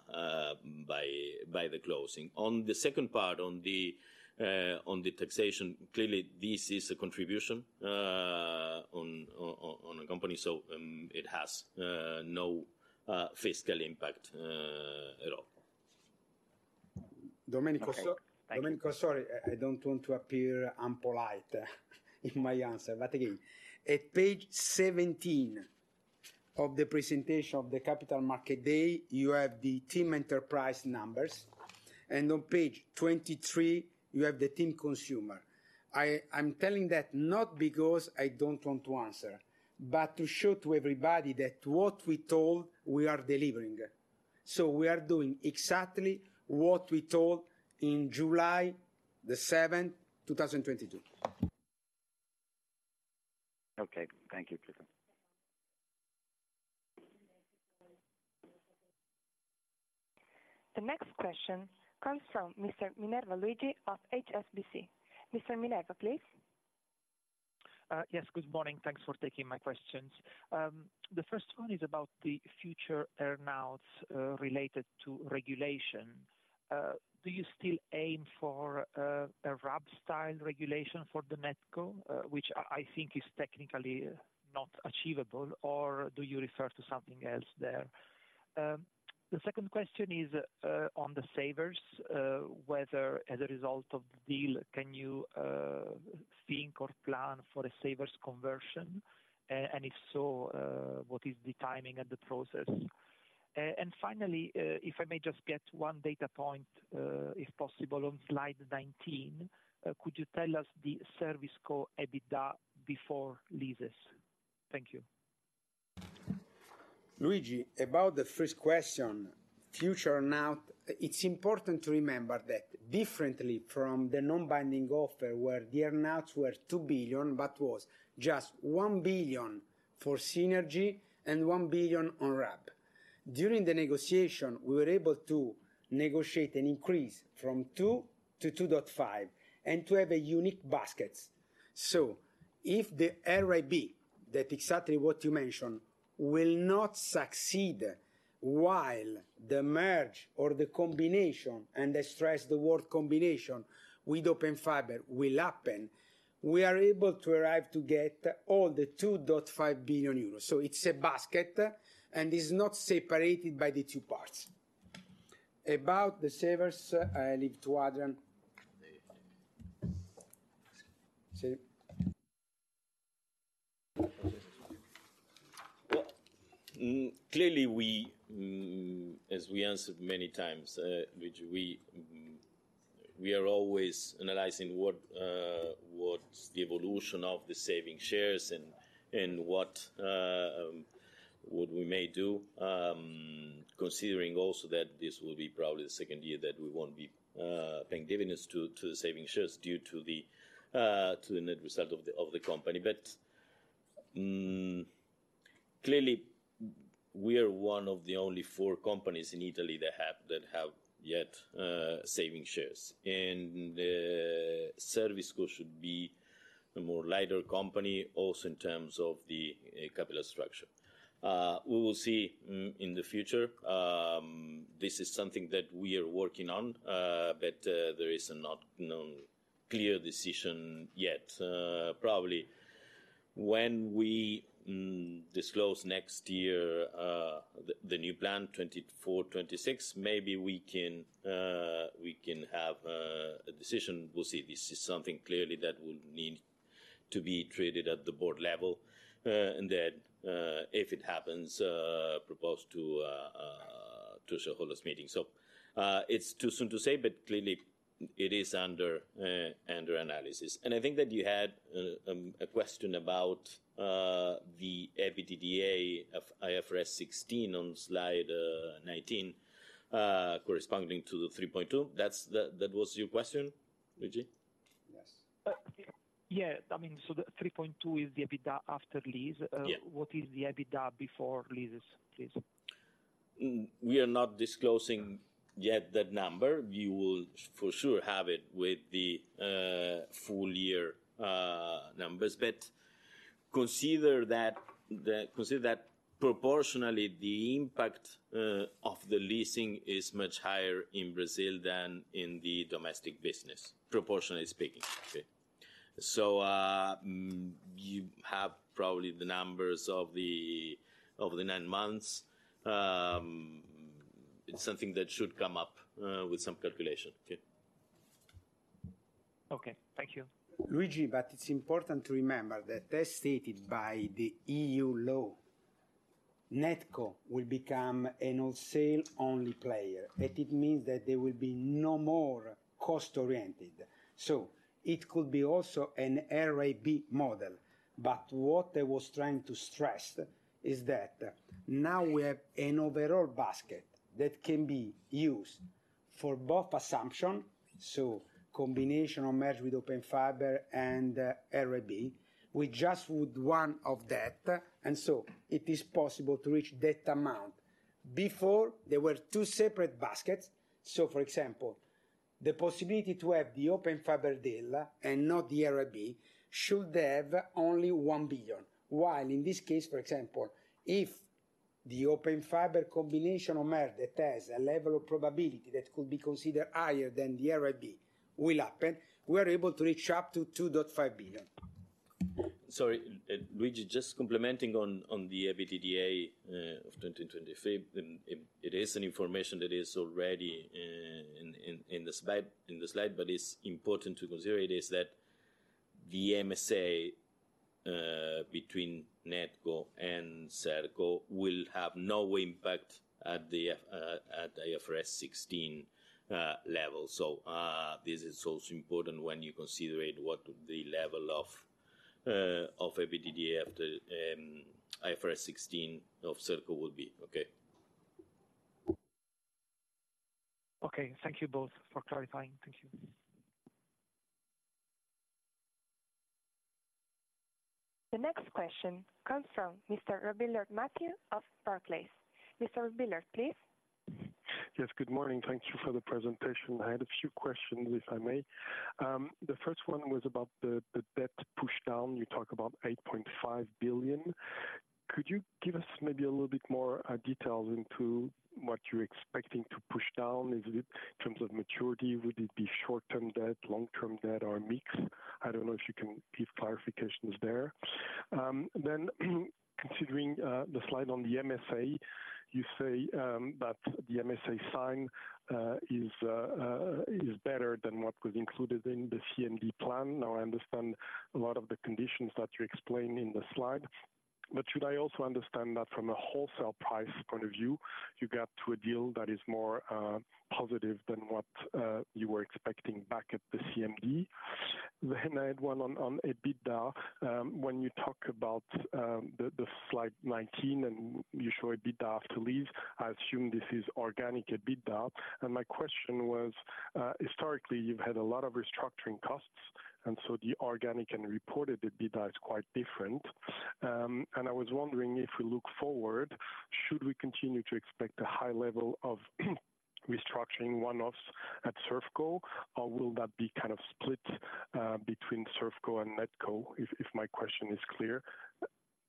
the closing. On the second part, on the taxation, clearly this is a contribution on a company, so it has no fiscal impact at all. Domenico, so- Okay, thank you. Domenico, sorry, I don't want to appear impolite in my answer, but again, at page 17 of the presentation of the Capital Markets Day, you have the TIM Enterprise numbers, and on page 23, you have the TIM Consumer. I'm telling that not because I don't want to answer, but to show to everybody that what we told, we are delivering. So we are doing exactly what we told in July 7, 2022. Okay. Thank you, please. The next question comes from Mr. Luigi Minerva of HSBC. Mr. Minerva, please. Yes, good morning. Thanks for taking my questions. The first one is about the future earn-outs related to regulation. Do you still aim for a RAB-style regulation for the NetCo, which I think is technically not achievable, or do you refer to something else there? The second question is on the savers, whether as a result of the deal, can you think or plan for a savers conversion? And if so, what is the timing and the process? And finally, if I may just get one data point, if possible, on slide 19, could you tell us the ServiceCo EBITDA before leases? Thank you. Luigi, about the first question, future earn-out, it's important to remember that differently from the non-binding offer, where the earn-outs were 2 billion, but was just 1 billion for synergy and 1 billion on RAB. During the negotiation, we were able to negotiate an increase from 2 to 2.5 and to have a unique basket. So if the RAB, that exactly what you mentioned, will not succeed, while the merger or the combination, and I stress the word combination, with Open Fiber will happen, we are able to arrive to get all the 2.5 billion euros. So it's a basket, and it's not separated by the two parts. About the savers, I leave to Adrian. Sir? Well, clearly, we as we answered many times, we are always analyzing what's the evolution of the savings shares and what we may do. Considering also that this will be probably the second year that we won't be paying dividends to the savings shares due to the net result of the company. But clearly, we are one of the only four companies in Italy that have yet savings shares. And ServCo should be a more lighter company also in terms of the capital structure. We will see in the future. This is something that we are working on, but there is a not known clear decision yet. Probably when we disclose next year, the new plan 2024-2026, maybe we can have a decision. We'll see. This is something clearly that would need to be treated at the board level, and then, if it happens, proposed to shareholders meeting. So, it's too soon to say, but clearly it is under analysis. I think that you had a question about the EBITDA of IFRS 16 on slide 19, corresponding to the 3.2. That was your question, Luigi? Yes. Yeah. I mean, so the 3.2 is the EBITDA After Lease. Yeah. What is the EBITDA before leases, please? We are not disclosing yet that number. We will for sure have it with the full year numbers. But consider that proportionally, the impact of the leasing is much higher in Brazil than in the domestic business, proportionally speaking. Okay? So, you have probably the numbers of the nine months. It's something that should come up with some calculation. Okay. Okay. Thank you. Luigi, but it's important to remember that as stated by the EU law, NetCo will become a wholesale-only player, but it means that there will be no more cost-oriented. So it could be also an RAB model. But what I was trying to stress is that now we have an overall basket that can be used for both assumption, so combination or merge with Open Fiber and RAB. We just would one of that, and so it is possible to reach that amount. Before, there were two separate baskets. So for example, the possibility to have the Open Fiber deal and not the RAB, should have only 1 billion, while in this case, for example, if the Open Fiber combination or merge that has a level of probability that could be considered higher than the RAB will happen, we are able to reach up to 2.5 billion. Sorry, Luigi, just commenting on the EBITDA of 2023. It is information that is already in the slide, but it's important to consider it, is that the MSA between NetCo and ServCo will have no impact at the IFRS 16 level. So, this is also important when you consider what the level of EBITDA after IFRS 16 of ServCo will be. Okay? Okay. Thank you both for clarifying. Thank you. The next question comes from Mr. Mathieu Robilliard of Barclays. Mr. Robillard, please. Yes, good morning. Thank you for the presentation. I had a few questions, if I may. The first one was about the debt pushdown. You talk about 8.5 billion. Could you give us maybe a little bit more details into what you're expecting to push down? Is it in terms of maturity, would it be short-term debt, long-term debt, or a mix? I don't know if you can give clarifications there. Then considering the slide on the MSA, you say that the MSA sign is better than what was included in the CMD plan. Now, I understand a lot of the conditions that you explained in the slide, but should I also understand that from a wholesale price point of view, you got to a deal that is more positive than what you were expecting back at the CMD? Then I had one on EBITDA. When you talk about the slide 19, and you show EBITDA after lease, I assume this is organic EBITDA. And my question was, historically, you've had a lot of restructuring costs, and so the organic and reported EBITDA is quite different. And I was wondering, if we look forward, should we continue to expect a high level of restructuring one-offs at ServCo, or will that be kind of split between ServCo and NetCo? If my question is clear.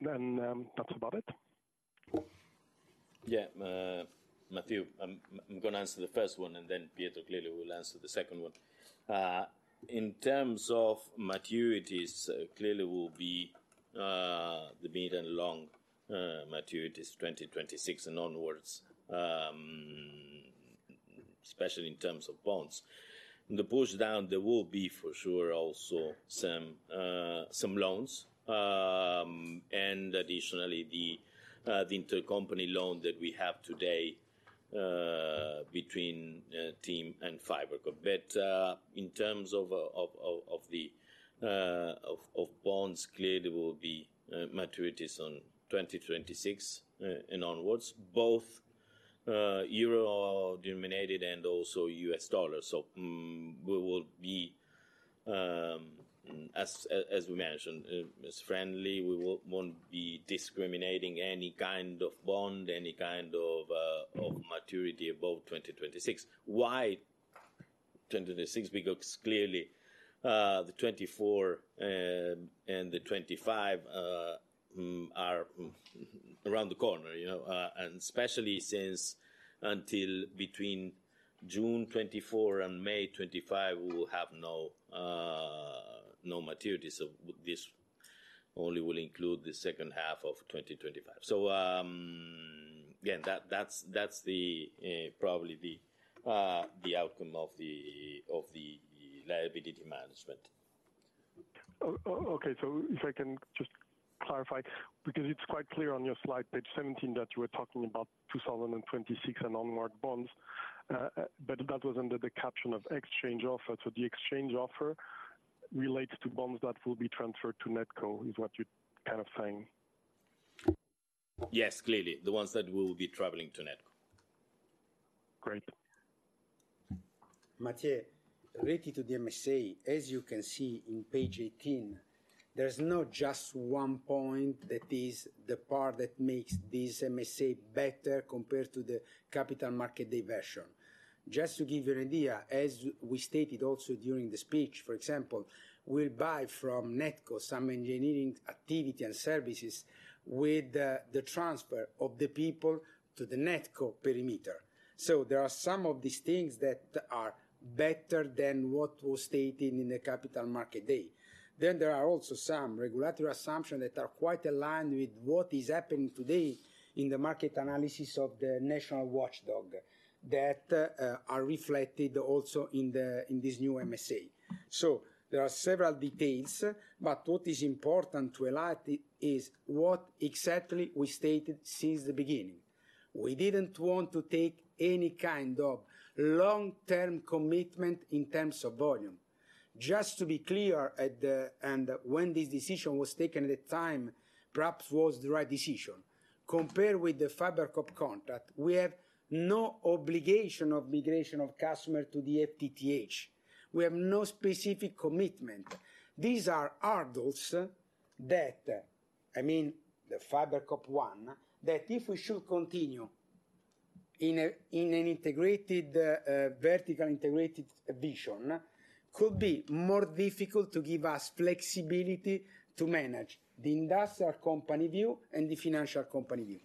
Then, that's about it. Yeah. Mathieu, I'm gonna answer the first one, and then Pietro clearly will answer the second one. In terms of maturities, clearly will be the mid and long maturities, 2026 and onwards, especially in terms of bonds. The pushdown, there will be for sure, also some loans. And additionally, the intercompany loan that we have today between TIM and FiberCop. But in terms of the bonds cleared, there will be maturities on 2026 and onwards, both euro-denominated and also US dollars. So, we will be as we mentioned, as friendly. We won't be discriminating any kind of bond, any kind of maturity above 2026. Why 2026? Because clearly, the 2024 and the 2025 are around the corner, you know. And especially since until between June 2024 and May 2025, we will have no, no maturity. So this only will include the second half of 2025. So, yeah, that's, that's the, probably the, the outcome of the, of the, the liability management. Okay, so if I can just clarify, because it's quite clear on your slide, page 17, that you were talking about 2026 and onward bonds, but that was under the caption of exchange offer. So the exchange offer relates to bonds that will be transferred to NetCo, is what you're kind of saying? Yes, clearly, the ones that will be traveling to NetCo. Great. Mattia, related to the MSA, as you can see in page 18, there's not just one point that is the part that makes this MSA better compared to the Capital Market Day version. Just to give you an idea, as we stated also during the speech, for example, we'll buy from NetCo some engineering activity and services with the transfer of the people to the NetCo perimeter. So there are some of these things that are better than what was stated in the Capital Market Day. Then there are also some regulatory assumption that are quite aligned with what is happening today in the market analysis of the national watchdog that are reflected also in this new MSA. So there are several details, but what is important to highlight is what exactly we stated since the beginning. We didn't want to take any kind of long-term commitment in terms of volume. Just to be clear, at the and when this decision was taken at the time, perhaps was the right decision. Compared with the FiberCop contract, we have no obligation of migration of customer to the FTTH. We have no specific commitment. These are hurdles that, I mean, the FiberCop one, that if we should continue in an integrated, vertical integrated vision, could be more difficult to give us flexibility to manage the industrial company view and the financial company view.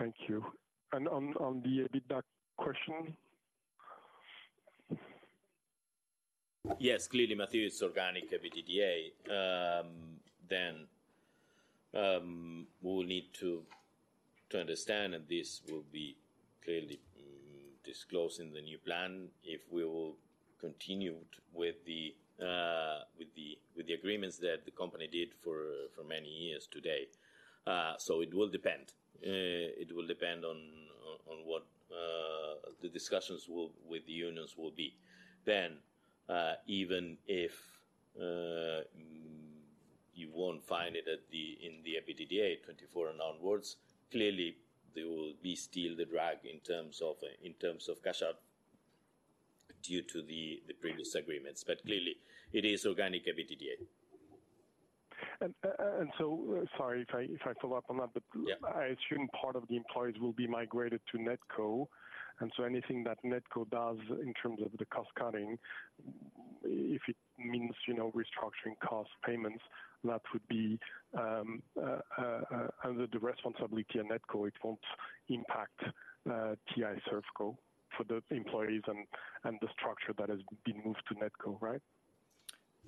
Thank you. On the EBITDA question? Yes, clearly, Mathieu, it's organic EBITDA. Then, we will need to understand, and this will be clearly disclosed in the new plan, if we will continue with the agreements that the company did for many years today. So it will depend. It will depend on what the discussions with the unions will be. Then, even if you won't find it in the EBITDA 2024 and onwards, clearly, there will be still the drag in terms of cash out due to the previous agreements. But clearly, it is organic EBITDA. So, sorry, if I follow up on that- Yeah. But I assume part of the employees will be migrated to NetCo, and so anything that NetCo does in terms of the cost cutting, if it means, you know, restructuring cost payments, that would be under the responsibility of NetCo, it won't impact ServCo for the employees and the structure that has been moved to NetCo, right?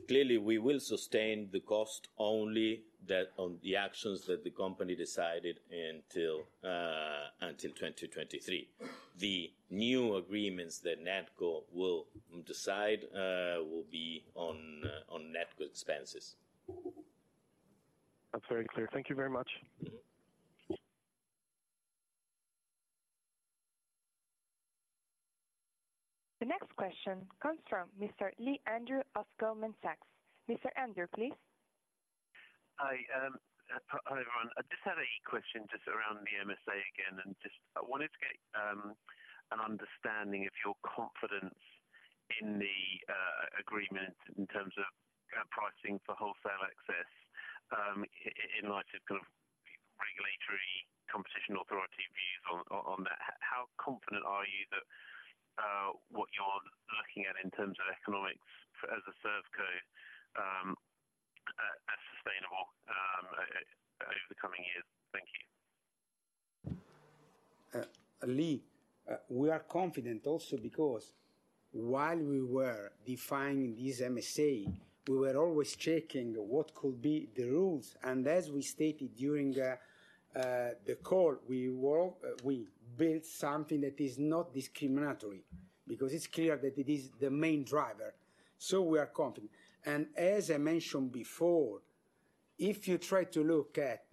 Clearly, we will sustain the cost only that on the actions that the company decided until 2023. The new agreements that NetCo will decide will be on NetCo expenses. That's very clear. Thank you very much. The next question comes from Mr. Andrew Lee of Goldman Sachs. Mr. Lee, please. Hi, hi, everyone. I just had a question just around the MSA again, and just I wanted to get an understanding of your confidence in the agreement in terms of pricing for wholesale access, in light of kind of regulatory competition authority views on that. How confident are you that what you're looking at in terms of economics as a ServCo are sustainable over the coming years? Thank you. Lee, we are confident also because while we were defining this MSA, we were always checking what could be the rules. And as we stated during the call, we built something that is not discriminatory, because it's clear that it is the main driver. So we are confident. And as I mentioned before, if you try to look at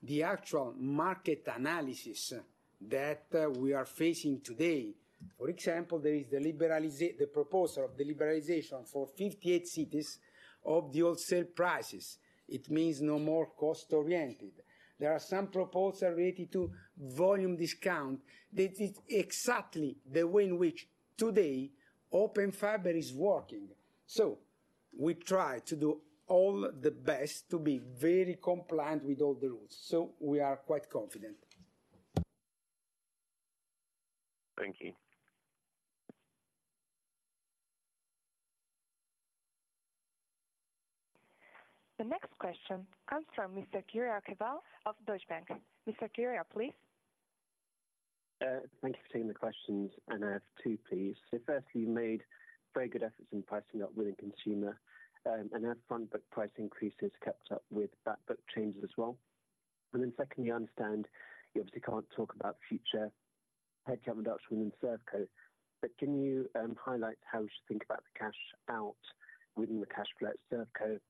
the actual market analysis that we are facing today, for example, there is the proposal of the liberalization for 58 cities of the wholesale prices. It means no more cost-oriented. There are some proposals related to volume discount, that is exactly the way in which today Open Fiber is working. So we try to do all the best to be very compliant with all the rules. So we are quite confident. Thank you. The next question comes from Mr. Keval Khiroya of Deutsche Bank. Mr. Khiroya, please. Thank you for taking the questions, and I have two, please. So firstly, you made very good efforts in pricing up within consumer, and have front book price increases kept up with that book changes as well? And then secondly, I understand you obviously can't talk about the future headcount reduction within ServCo, but can you highlight how we should think about the cash out within the cash flow at ServCo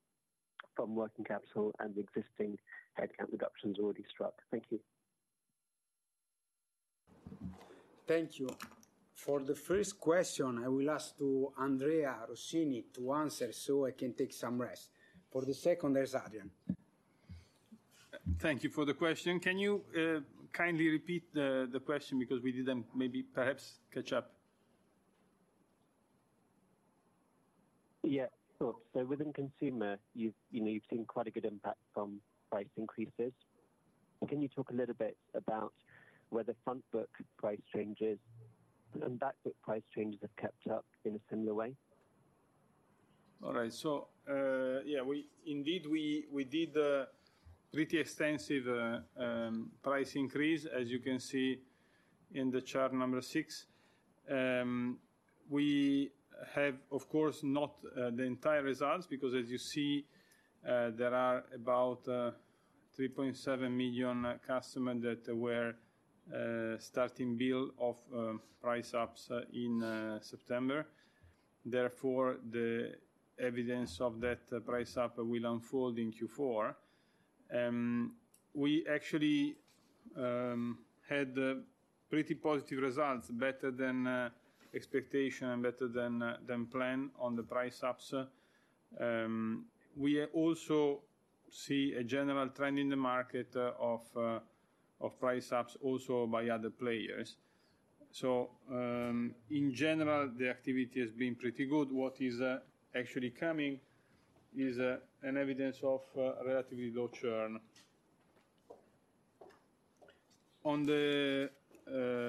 from working capital and the existing headcount reductions already struck? Thank you. Thank you. For the first question, I will ask to Andrea Rossini to answer, so I can take some rest. For the second, there's Adrian. Thank you for the question. Can you kindly repeat the question because we didn't maybe perhaps catch up? Yeah, sure. So within consumer, you've, you know, you've seen quite a good impact from price increases. Can you talk a little bit about whether front book price changes and back book price changes have kept up in a similar way? All right. So, yeah, we indeed did a pretty extensive price increase, as you can see in the chart number 6. We have, of course, not the entire results, because as you see, there are about 3.7 million customers that were starting bill of price ups in September. Therefore, the evidence of that price up will unfold in Q4. We actually had pretty positive results, better than expectation and better than planned on the price ups. We also see a general trend in the market of price ups also by other players. So, in general, the activity has been pretty good. What is actually coming is an evidence of relatively low churn. On the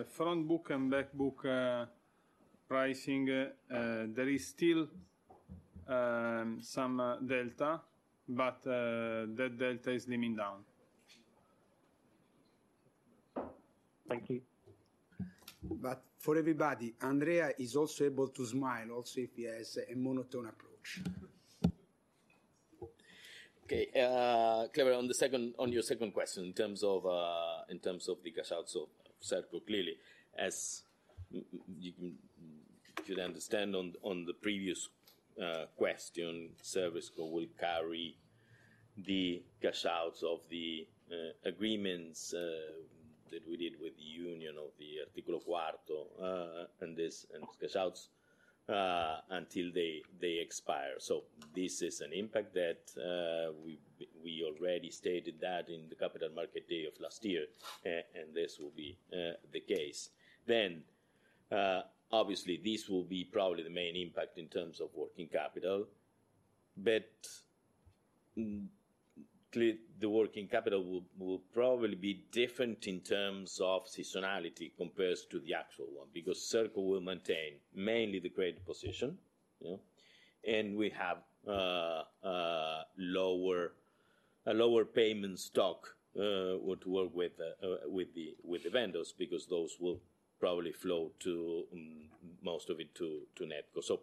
front book and back book pricing, there is still some delta, but that delta is leaning down. Thank you. For everybody, Andrea is also able to smile, also, if he has a monotone approach. Okay, clear. On your second question, in terms of the cash out, so ServiceCo, clearly, as you should understand on the previous question, ServiceCo will carry the cash outs of the agreements that we did with the Union of the Articolo Quarto, and this, and cash outs until they expire. So this is an impact that we already stated that in the Capital Market Day of last year, and this will be the case. Then, obviously, this will be probably the main impact in terms of working capital, but clear, the working capital will probably be different in terms of seasonality compares to the actual one, because ServCo will maintain mainly the credit position, you know, and we have a lower payment stock, would work with the vendors, because those will probably flow to most of it to NetCo. So,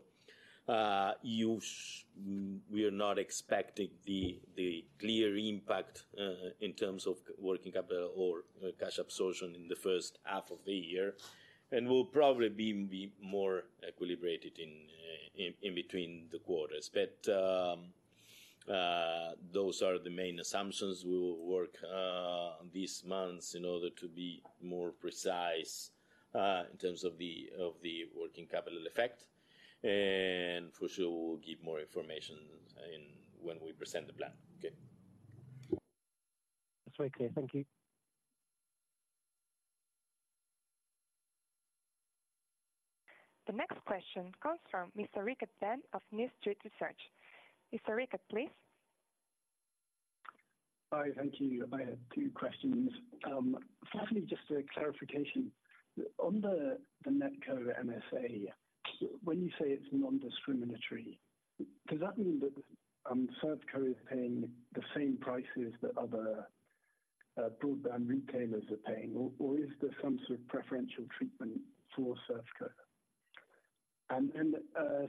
we are not expecting the clear impact in terms of working capital or cash absorption in the first half of the year, and will probably be more equilibrated in between the quarters. But those are the main assumptions. We will work on these months in order to be more precise in terms of the working capital effect. For sure, we'll give more information in, when we present the plan. Okay. That's very clear. Thank you. The next question comes from Mr. Ben Rickett of New Street Research. Mr. Ben Rickett, please. Hi, thank you. I have two questions. Firstly, just a clarification. On the NetCo MSA, when you say it's non-discriminatory, does that mean that ServCo is paying the same prices that other broadband retailers are paying, or is there some sort of preferential treatment for ServCo? And then,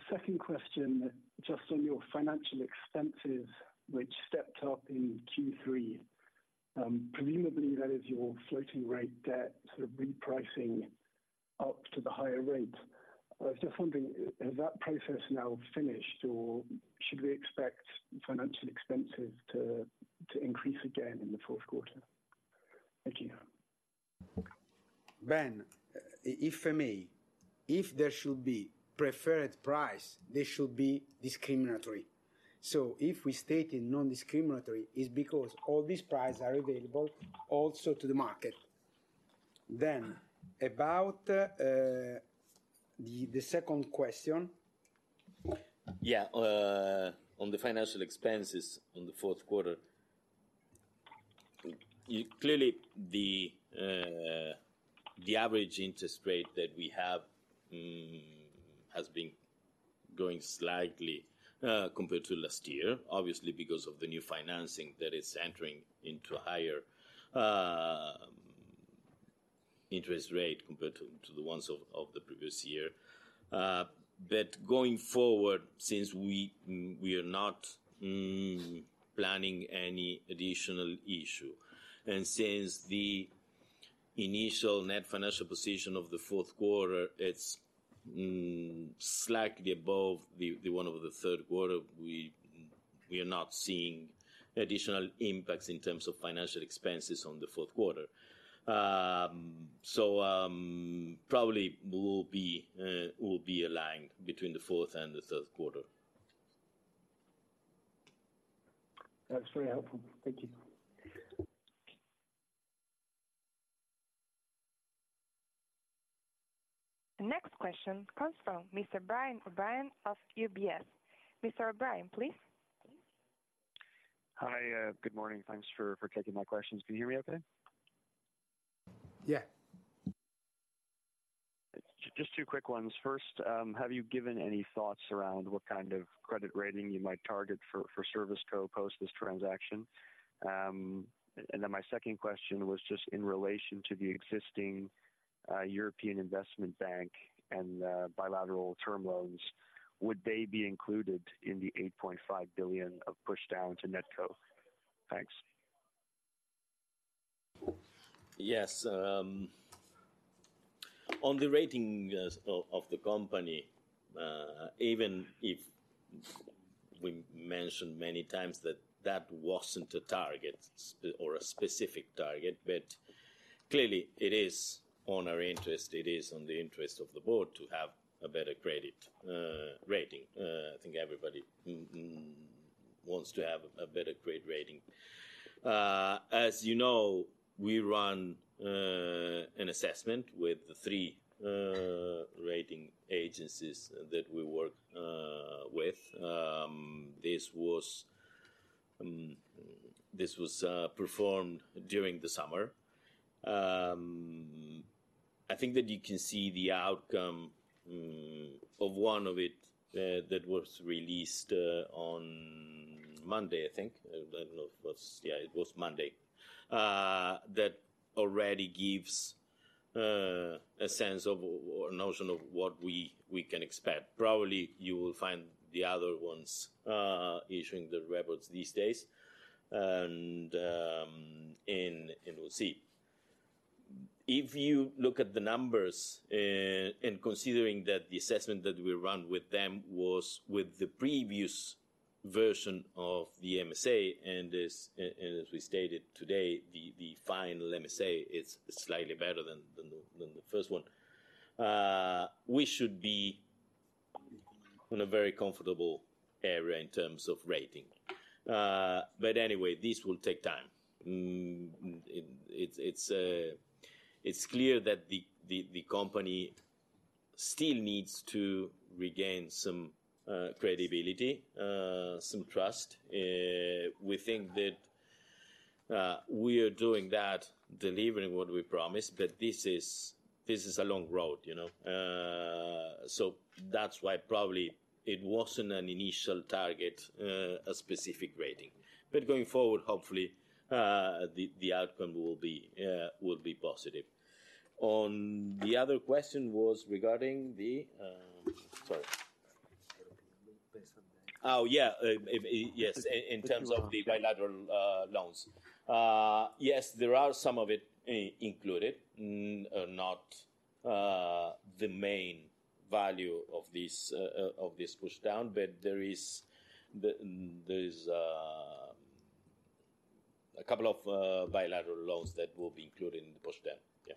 second question, just on your financial expenses, which stepped up in Q3. Presumably that is your floating rate debt sort of repricing up to the higher rate. I was just wondering, has that process now finished, or should we expect financial expenses to increase again in the fourth quarter? Thank you. Ben, if I may, if there should be preferred price, they should be discriminatory. So if we stated non-discriminatory, it's because all these prices are available also to the market. Then, about the second question. Yeah, on the financial expenses on the fourth quarter, you clearly, the average interest rate that we have has been going slightly compared to last year, obviously, because of the new financing that is entering into a higher interest rate compared to the ones of the previous year. But going forward, since we are not planning any additional issue, and since the initial net financial position of the fourth quarter it's slightly above the one over the third quarter, we are not seeing additional impacts in terms of financial expenses on the fourth quarter. Probably will be aligned between the fourth and the third quarter. That's very helpful. Thank you. The next question comes from Mr. Brian O'Brien of UBS. Mr. O'Brien, please. Hi, good morning. Thanks for taking my questions. Can you hear me okay? Yeah. Just two quick ones. First, have you given any thoughts around what kind of credit rating you might target for ServiceCo post this transaction? And then my second question was just in relation to the existing European Investment Bank and bilateral term loans. Would they be included in the 8.5 billion of push down to NetCo? Thanks. Yes, on the ratings of the company, even if we mentioned many times that that wasn't a target or a specific target, but clearly it is on our interest, it is on the interest of the board to have a better credit rating. I think everybody wants to have a better credit rating. As you know, we run an assessment with the three rating agencies that we work with. This was performed during the summer. I think that you can see the outcome of one of it that was released on Monday, I think. I don't know if it was... Yeah, it was Monday. That already gives a sense of or notion of what we can expect. Probably, you will find the other ones issuing the reports these days, and we'll see. If you look at the numbers, and considering that the assessment that we run with them was with the previous version of the MSA, and as we stated today, the final MSA, it's slightly better than the first one. We should be in a very comfortable area in terms of rating. But anyway, this will take time. It's clear that the company still needs to regain some credibility, some trust. We think that we are doing that, delivering what we promised, but this is a long road, you know? So that's why probably it wasn't an initial target, a specific rating. But going forward, hopefully, the outcome will be positive. On the other question was regarding the bilateral loans. Yes, there are some of it included, not the main value of this push down, but there is a couple of bilateral loans that will be included in the push down. Yeah.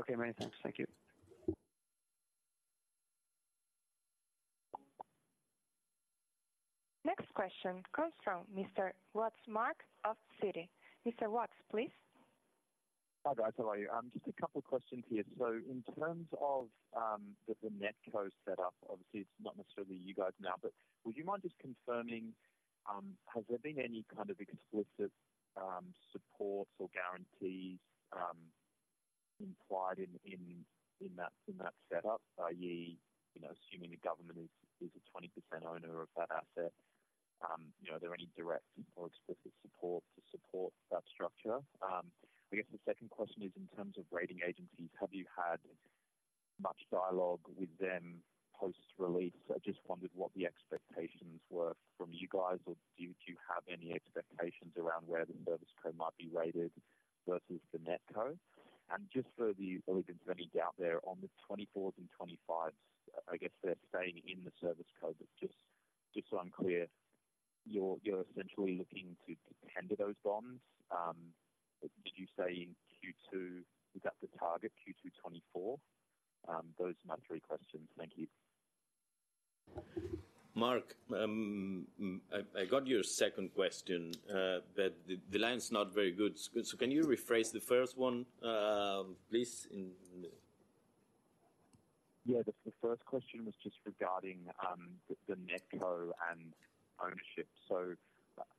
Okay, many thanks. Thank you. Next question comes from Mr. Mark Watts of Citi. Mr. Watts, please. Hi, guys, how are you? Just a couple of questions here. So in terms of the NetCo setup, obviously, it's not necessarily you guys now, but would you mind just confirming, has there been any kind of explicit supports or guarantees implied in that setup, i.e., you know, assuming the government is a 20% owner of that asset, you know, are there any direct or explicit support to support that structure? I guess the second question is, in terms of rating agencies, have you had much dialogue with them post-release. I just wondered what the expectations were from you guys, or do you have any expectations around where the ServiceCo might be rated versus the NetCo? Just for the avoidance of any doubt there, on the 2024s and 2025s, I guess they're staying in the ServiceCo. But just, just so I'm clear, you're, you're essentially looking to, to tender those bonds. Did you say in Q2, is that the target, Q2 2024? Those are my three questions. Thank you. Mark, I got your second question, but the line's not very good. So can you rephrase the first one, please, in- Yeah. The first question was just regarding the NetCo and ownership. So,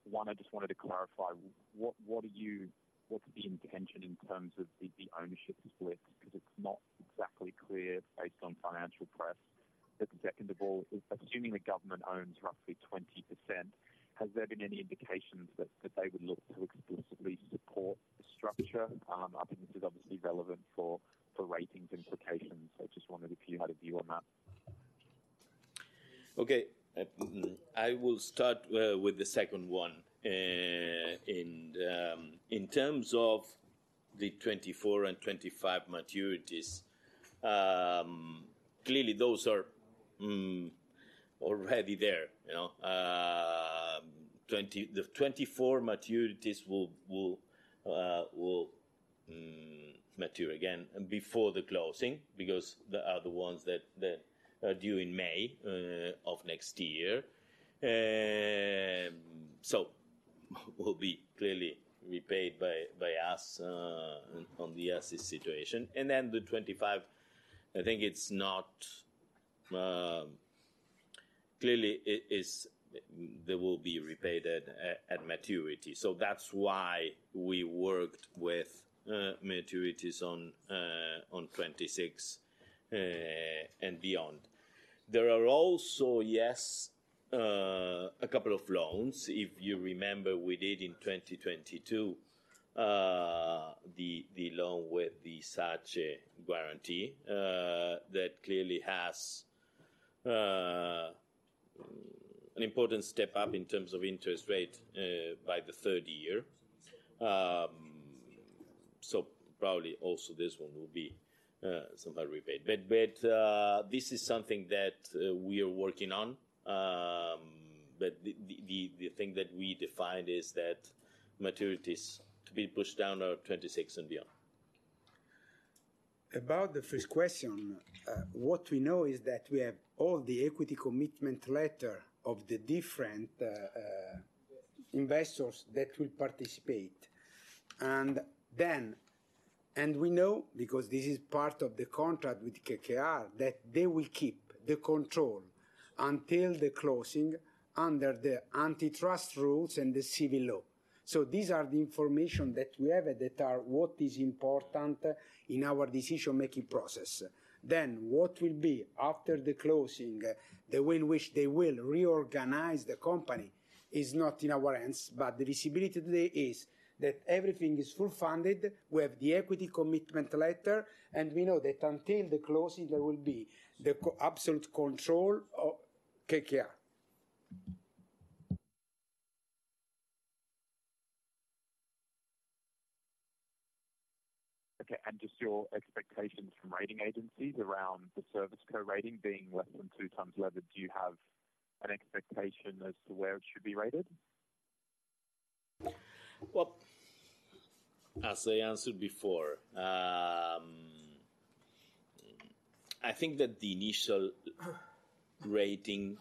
one, I just wanted to clarify, what's the intention in terms of the ownership split? Because it's not exactly clear based on financial press. Second of all, assuming the government owns roughly 20%, has there been any indications that they would look to explicitly support the structure? I think this is obviously relevant for ratings implications. I just wondered if you had a view on that. Okay, I will start with the second one. In terms of the 2024 and 2025 maturities, clearly, those are already there, you know. The 2024 maturities will mature again before the closing, because they are the ones that are due in May of next year. So will be clearly repaid by us on the assets situation. And then the 2025, I think it's not... Clearly, it is, they will be repaid at maturity. So that's why we worked with maturities on 2026 and beyond. There are also, yes, a couple of loans. If you remember, we did in 2022 the loan with the SACE guarantee, that clearly has an important step up in terms of interest rate by the third year. So probably also this one will be somehow repaid. But this is something that we are working on. But the thing that we defined is that maturities to be pushed down are 2026 and beyond. About the first question, what we know is that we have all the equity commitment letter of the different investors that will participate. And then, we know, because this is part of the contract with KKR, that they will keep the control until the closing under the antitrust rules and the civil law. So these are the information that we have that are what is important in our decision-making process. Then, what will be after the closing, the way in which they will reorganize the company, is not in our hands, but the visibility today is that everything is full funded. We have the equity commitment letter, and we know that until the closing, there will be the absolute control of KKR. Okay, and just your expectations from rating agencies around the ServiceCo rating being less than 2x levered. Do you have an expectation as to where it should be rated? Well, as I answered before, I think that the initial rating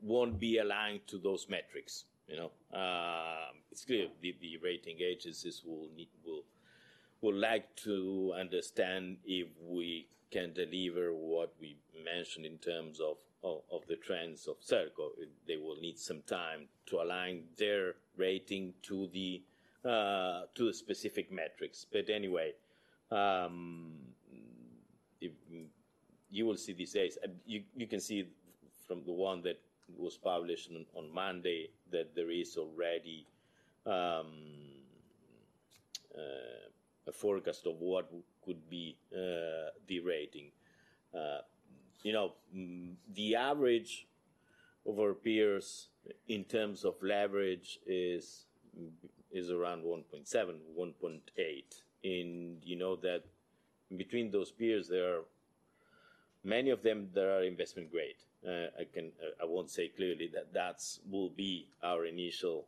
won't be aligned to those metrics, you know. It's clear the rating agencies will need will like to understand if we can deliver what we mentioned in terms of the trends of ServCo. They will need some time to align their rating to the to specific metrics. But anyway, if you will see these days, you can see from the one that was published on Monday, that there is already a forecast of what could be the rating. You know, the average of our peers in terms of leverage is around 1.7-1.8. And you know that between those peers, there are many of them that are investment grade. I can, I won't say clearly that that's will be our initial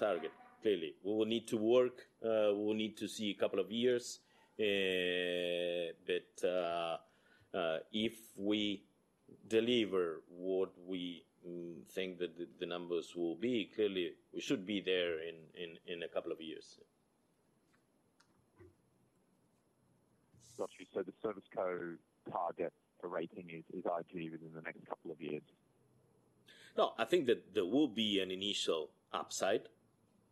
target, clearly. We will need to work, we will need to see a couple of years. But, if we deliver what we think that the numbers will be, clearly, we should be there in a couple of years. Got you. So the ServiceCo target for rating is it within the next couple of years? No, I think that there will be an initial upside,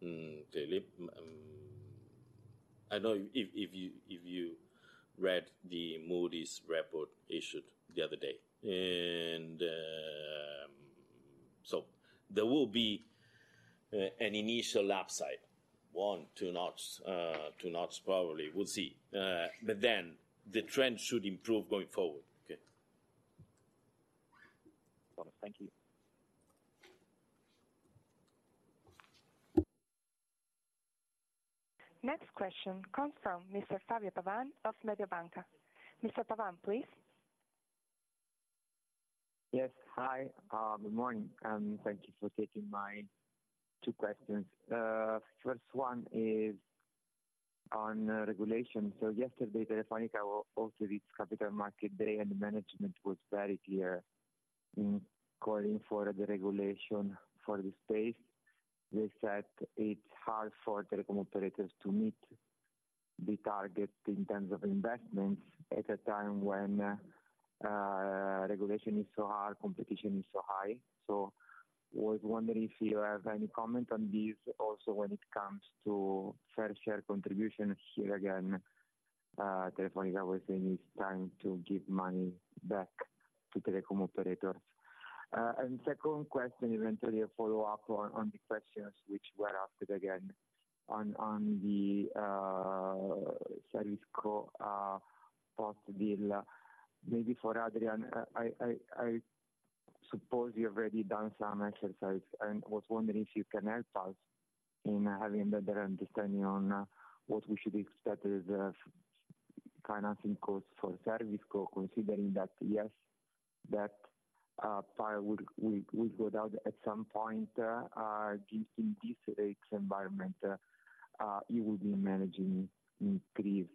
clearly. I know if you read the Moody's report issued the other day, and So there will be an initial upside, one, two knots, two knots probably, we'll see. But then the trend should improve going forward. Okay. Thank you. Next question comes from Mr. Fabio Pavan of Mediobanca. Mr. Pavan, please. Yes. Hi, good morning, and thank you for taking my two questions. First one is on regulation. So yesterday, Telefonica also reached Capital Market Day, and the management was very clear in calling for the regulation for the space. They said it's hard for telecom operators to meet the target in terms of investments at a time when regulation is so hard, competition is so high. So I was wondering if you have any comment on this. Also, when it comes to fair share contribution, here again, Telefonica was saying it's time to give money back to telecom operators. And second question, eventually a follow-up on the questions which were asked again on the ServiceCo possible. Maybe for Adrian, I suppose you've already done some exercise, and I was wondering if you can help us in having a better understanding on what we should expect as financing costs for ServiceCo, considering that, yes, that file will go down at some point, just in this rate environment, you will be managing increased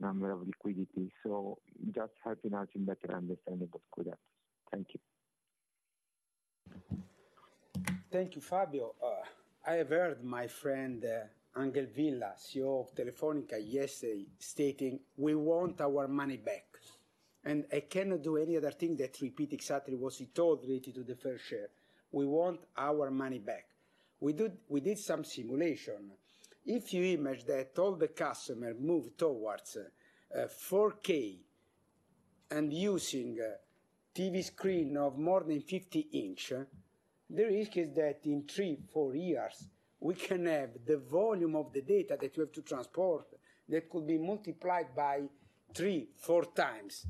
number of liquidity. So just helping out in better understanding what could happen. Thank you. Thank you, Fabio. I have heard my friend, Ángel Vilá, CEO of Telefonica, yesterday stating, "We want our money back." And I cannot do any other thing than repeat exactly what he told related to the fair share. We want our money back. We did some simulation. If you image that all the customer move towards 4K and using TV screen of more than 50-inch, the risk is that in 3-4 years, we can have the volume of the data that you have to transport, that could be multiplied by 3x-4x.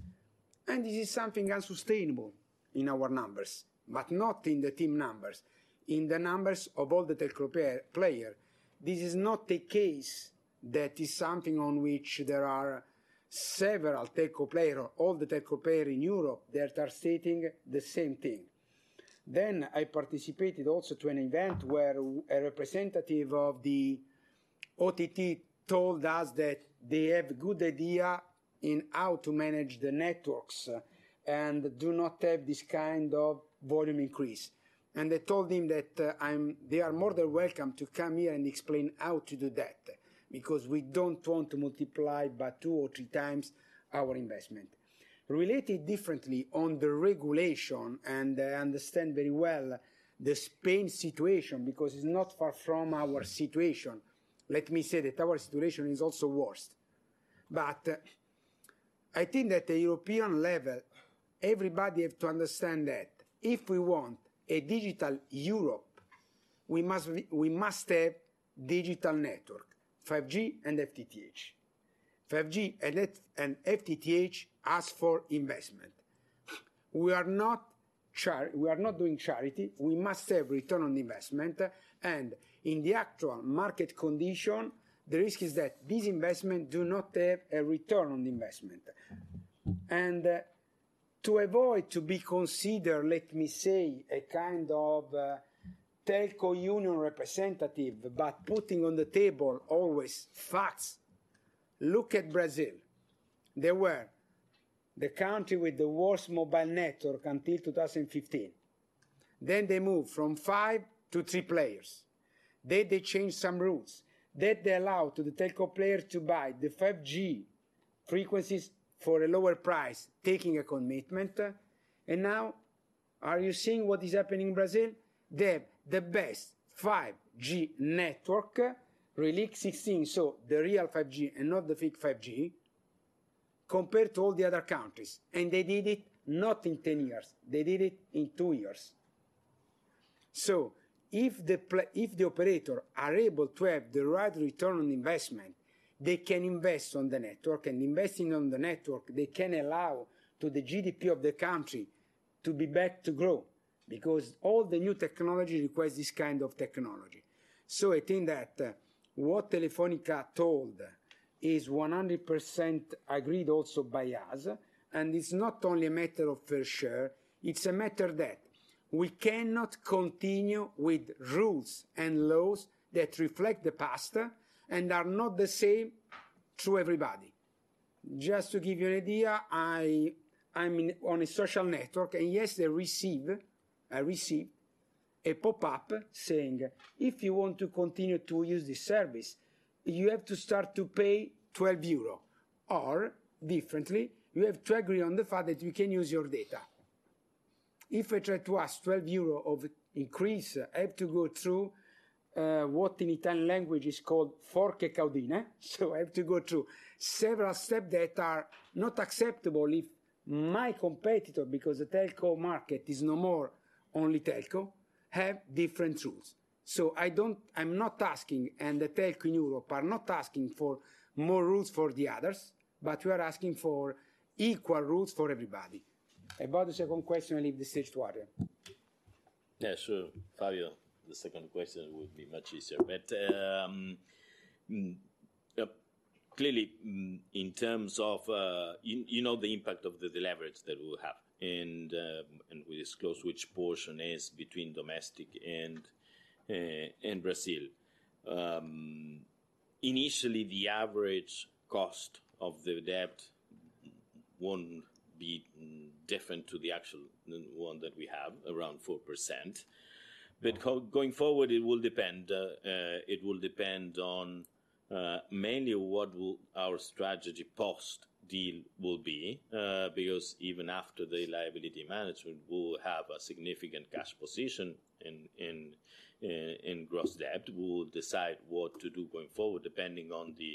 And this is something unsustainable in our numbers, but not in the team numbers, in the numbers of all the telco player. This is not a case that is something on which there are several telco player or all the telco player in Europe, they are stating the same thing. Then, I participated also to an event where a representative of the OTT told us that they have good idea in how to manage the networks, and do not have this kind of volume increase. And I told him that, they are more than welcome to come here and explain how to do that, because we don't want to multiply by 2x or 3x our investment. Related differently on the regulation, and I understand very well the Spain situation, because it's not far from our situation. Let me say that our situation is also worst. But I think that at the European level, everybody has to understand that if we want a digital Europe, we must have digital network, 5G and FTTH. 5G and FTTH ask for investment. We are not doing charity; we must have return on investment. And in the actual market condition, the risk is that this investment does not have a return on investment. And to avoid to be considered, let me say, a kind of telco union representative, but putting on the table always facts. Look at Brazil. They were the country with the worst mobile network until 2015. Then they moved from five to three players. Then they changed some rules, then they allow to the telco player to buy the 5G frequencies for a lower price, taking a commitment. And now, are you seeing what is happening in Brazil? They have the best 5G network, Release 16, so the real 5G and not the fake 5G, compared to all the other countries. And they did it not in 10 years, they did it in two years. So if the operator are able to have the right return on investment, they can invest on the network. And investing on the network, they can allow to the GDP of the country to be back to grow, because all the new technology requires this kind of technology. So I think that, what Telefonica told is 100% agreed also by us, and it's not only a matter of fair share, it's a matter that we cannot continue with rules and laws that reflect the past and are not the same to everybody. Just to give you an idea, I'm on a social network, and yesterday I receive, I receive a pop-up saying, "If you want to continue to use this service, you have to start to pay 12 euro. Or differently, you have to agree on the fact that we can use your data." If I try to ask 12 euro of increase, I have to go through what in Italian language is called forche caudine. So I have to go through several steps that are not acceptable if my competitor, because the telco market is no more only telco, have different rules. So I'm not asking, and the telco in Europe are not asking for more rules for the others, but we are asking for equal rules for everybody. About the second question, I leave this to Adrian. Yeah, sure, Fabio. The second question will be much easier. But clearly, in terms of, you know, the impact of the deleverage that we will have, and we disclose which portion is between domestic and Brazil. Initially, the average cost of the debt won't be different to the actual one that we have, around 4%. But going forward, it will depend, it will depend on mainly what will our strategy post-deal will be, because even after the liability management, we'll have a significant cash position in gross debt. We will decide what to do going forward, depending on the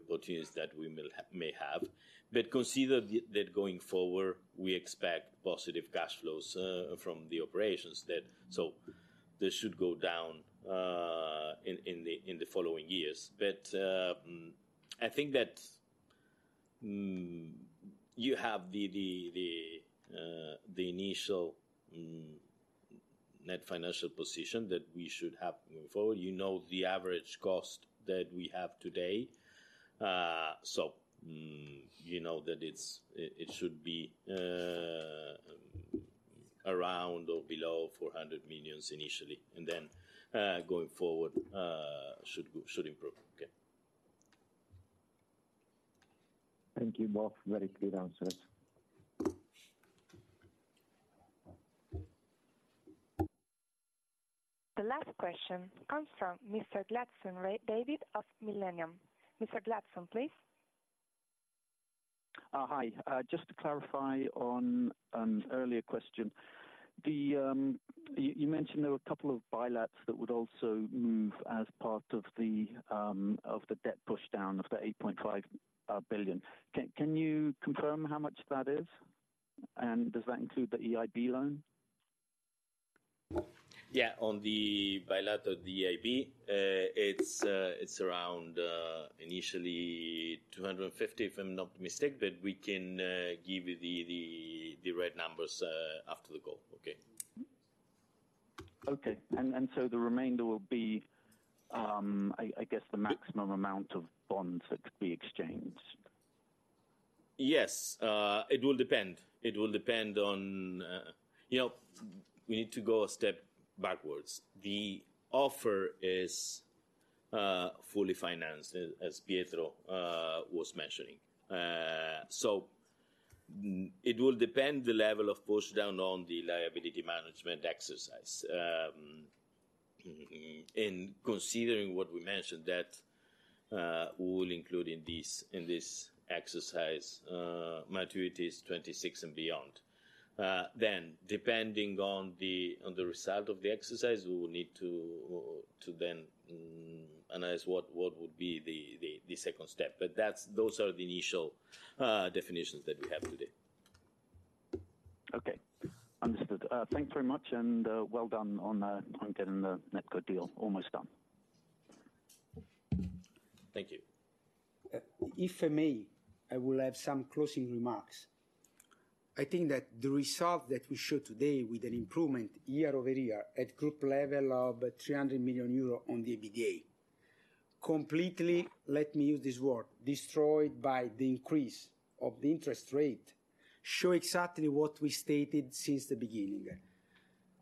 opportunities that we will have - may have. But consider that going forward, we expect positive cash flows from the operations that... This should go down in the following years. But I think that you have the initial net financial position that we should have moving forward. You know, the average cost that we have today. So you know that it should be around or below 400 million initially, and then going forward should go, should improve. Okay. Thank you both. Very clear answers. The last question comes from Mr. David Gladstone of Millennium. Mr. Gladstone, please. Hi. Just to clarify on an earlier question, you mentioned there were a couple of bilats that would also move as part of the debt pushdown of the 8.5 billion. Can you confirm how much that is, and does that include the EIB loan? Yeah. On the bilateral of the EIB, it's around initially 250, if I'm not mistaken, but we can give you the right numbers after the call. Okay? Okay. And so the remainder will be, I guess, the maximum amount of bonds that could be exchanged? Yes. It will depend. It will depend on. You know, we need to go a step backwards. The offer is fully financed, as Pietro was mentioning. So, it will depend the level of pushdown on the Liability Management exercise. And considering what we mentioned, that we will include in this exercise, maturities 2026 and beyond. Then, depending on the result of the exercise, we will need to then analyze what would be the second step. But those are the initial definitions that we have today. Okay, understood. Thanks very much, and well done on getting the network deal almost done. Thank you. If I may, I will have some closing remarks. I think that the result that we show today with an improvement year-over-year at group level of 300 million euro on the EBITDA, completely, let me use this word, destroyed by the increase of the interest rate, show exactly what we stated since the beginning.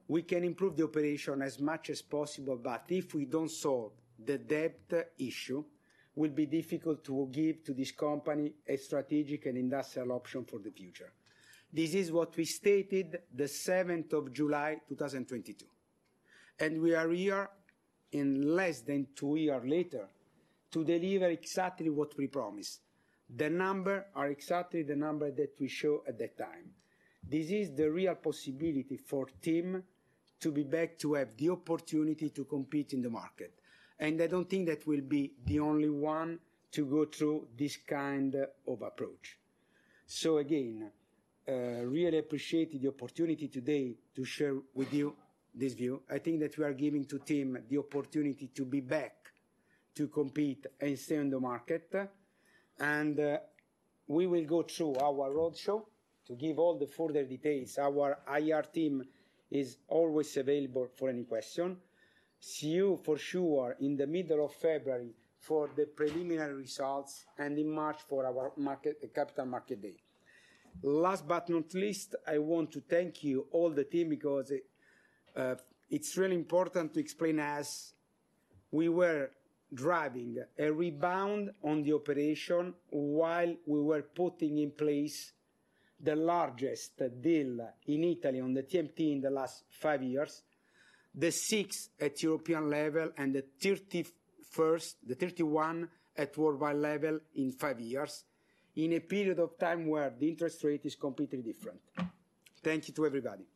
We can improve the operation as much as possible, but if we don't solve the debt issue, will be difficult to give to this company a strategic and industrial option for the future. This is what we stated the seventh of July, 2022, and we are here in less than two year later to deliver exactly what we promised. The number are exactly the number that we show at that time. This is the real possibility for TIM to be back, to have the opportunity to compete in the market, and I don't think that we'll be the only one to go through this kind of approach. So again, really appreciate the opportunity today to share with you this view. I think that we are giving to TIM the opportunity to be back to compete and stay on the market, and we will go through our roadshow to give all the further details. Our IR team is always available for any question. See you for sure in the middle of February for the preliminary results, and in March for our Capital Market Day. Last but not least, I want to thank you, all the team, because it's really important to explain as we were driving a rebound on the operation while we were putting in place the largest deal in Italy on the TMT in the last 5 years, the 6th at European level, and the 31st-- the 31 at worldwide level in 5 years, in a period of time where the interest rate is completely different. Thank you to everybody.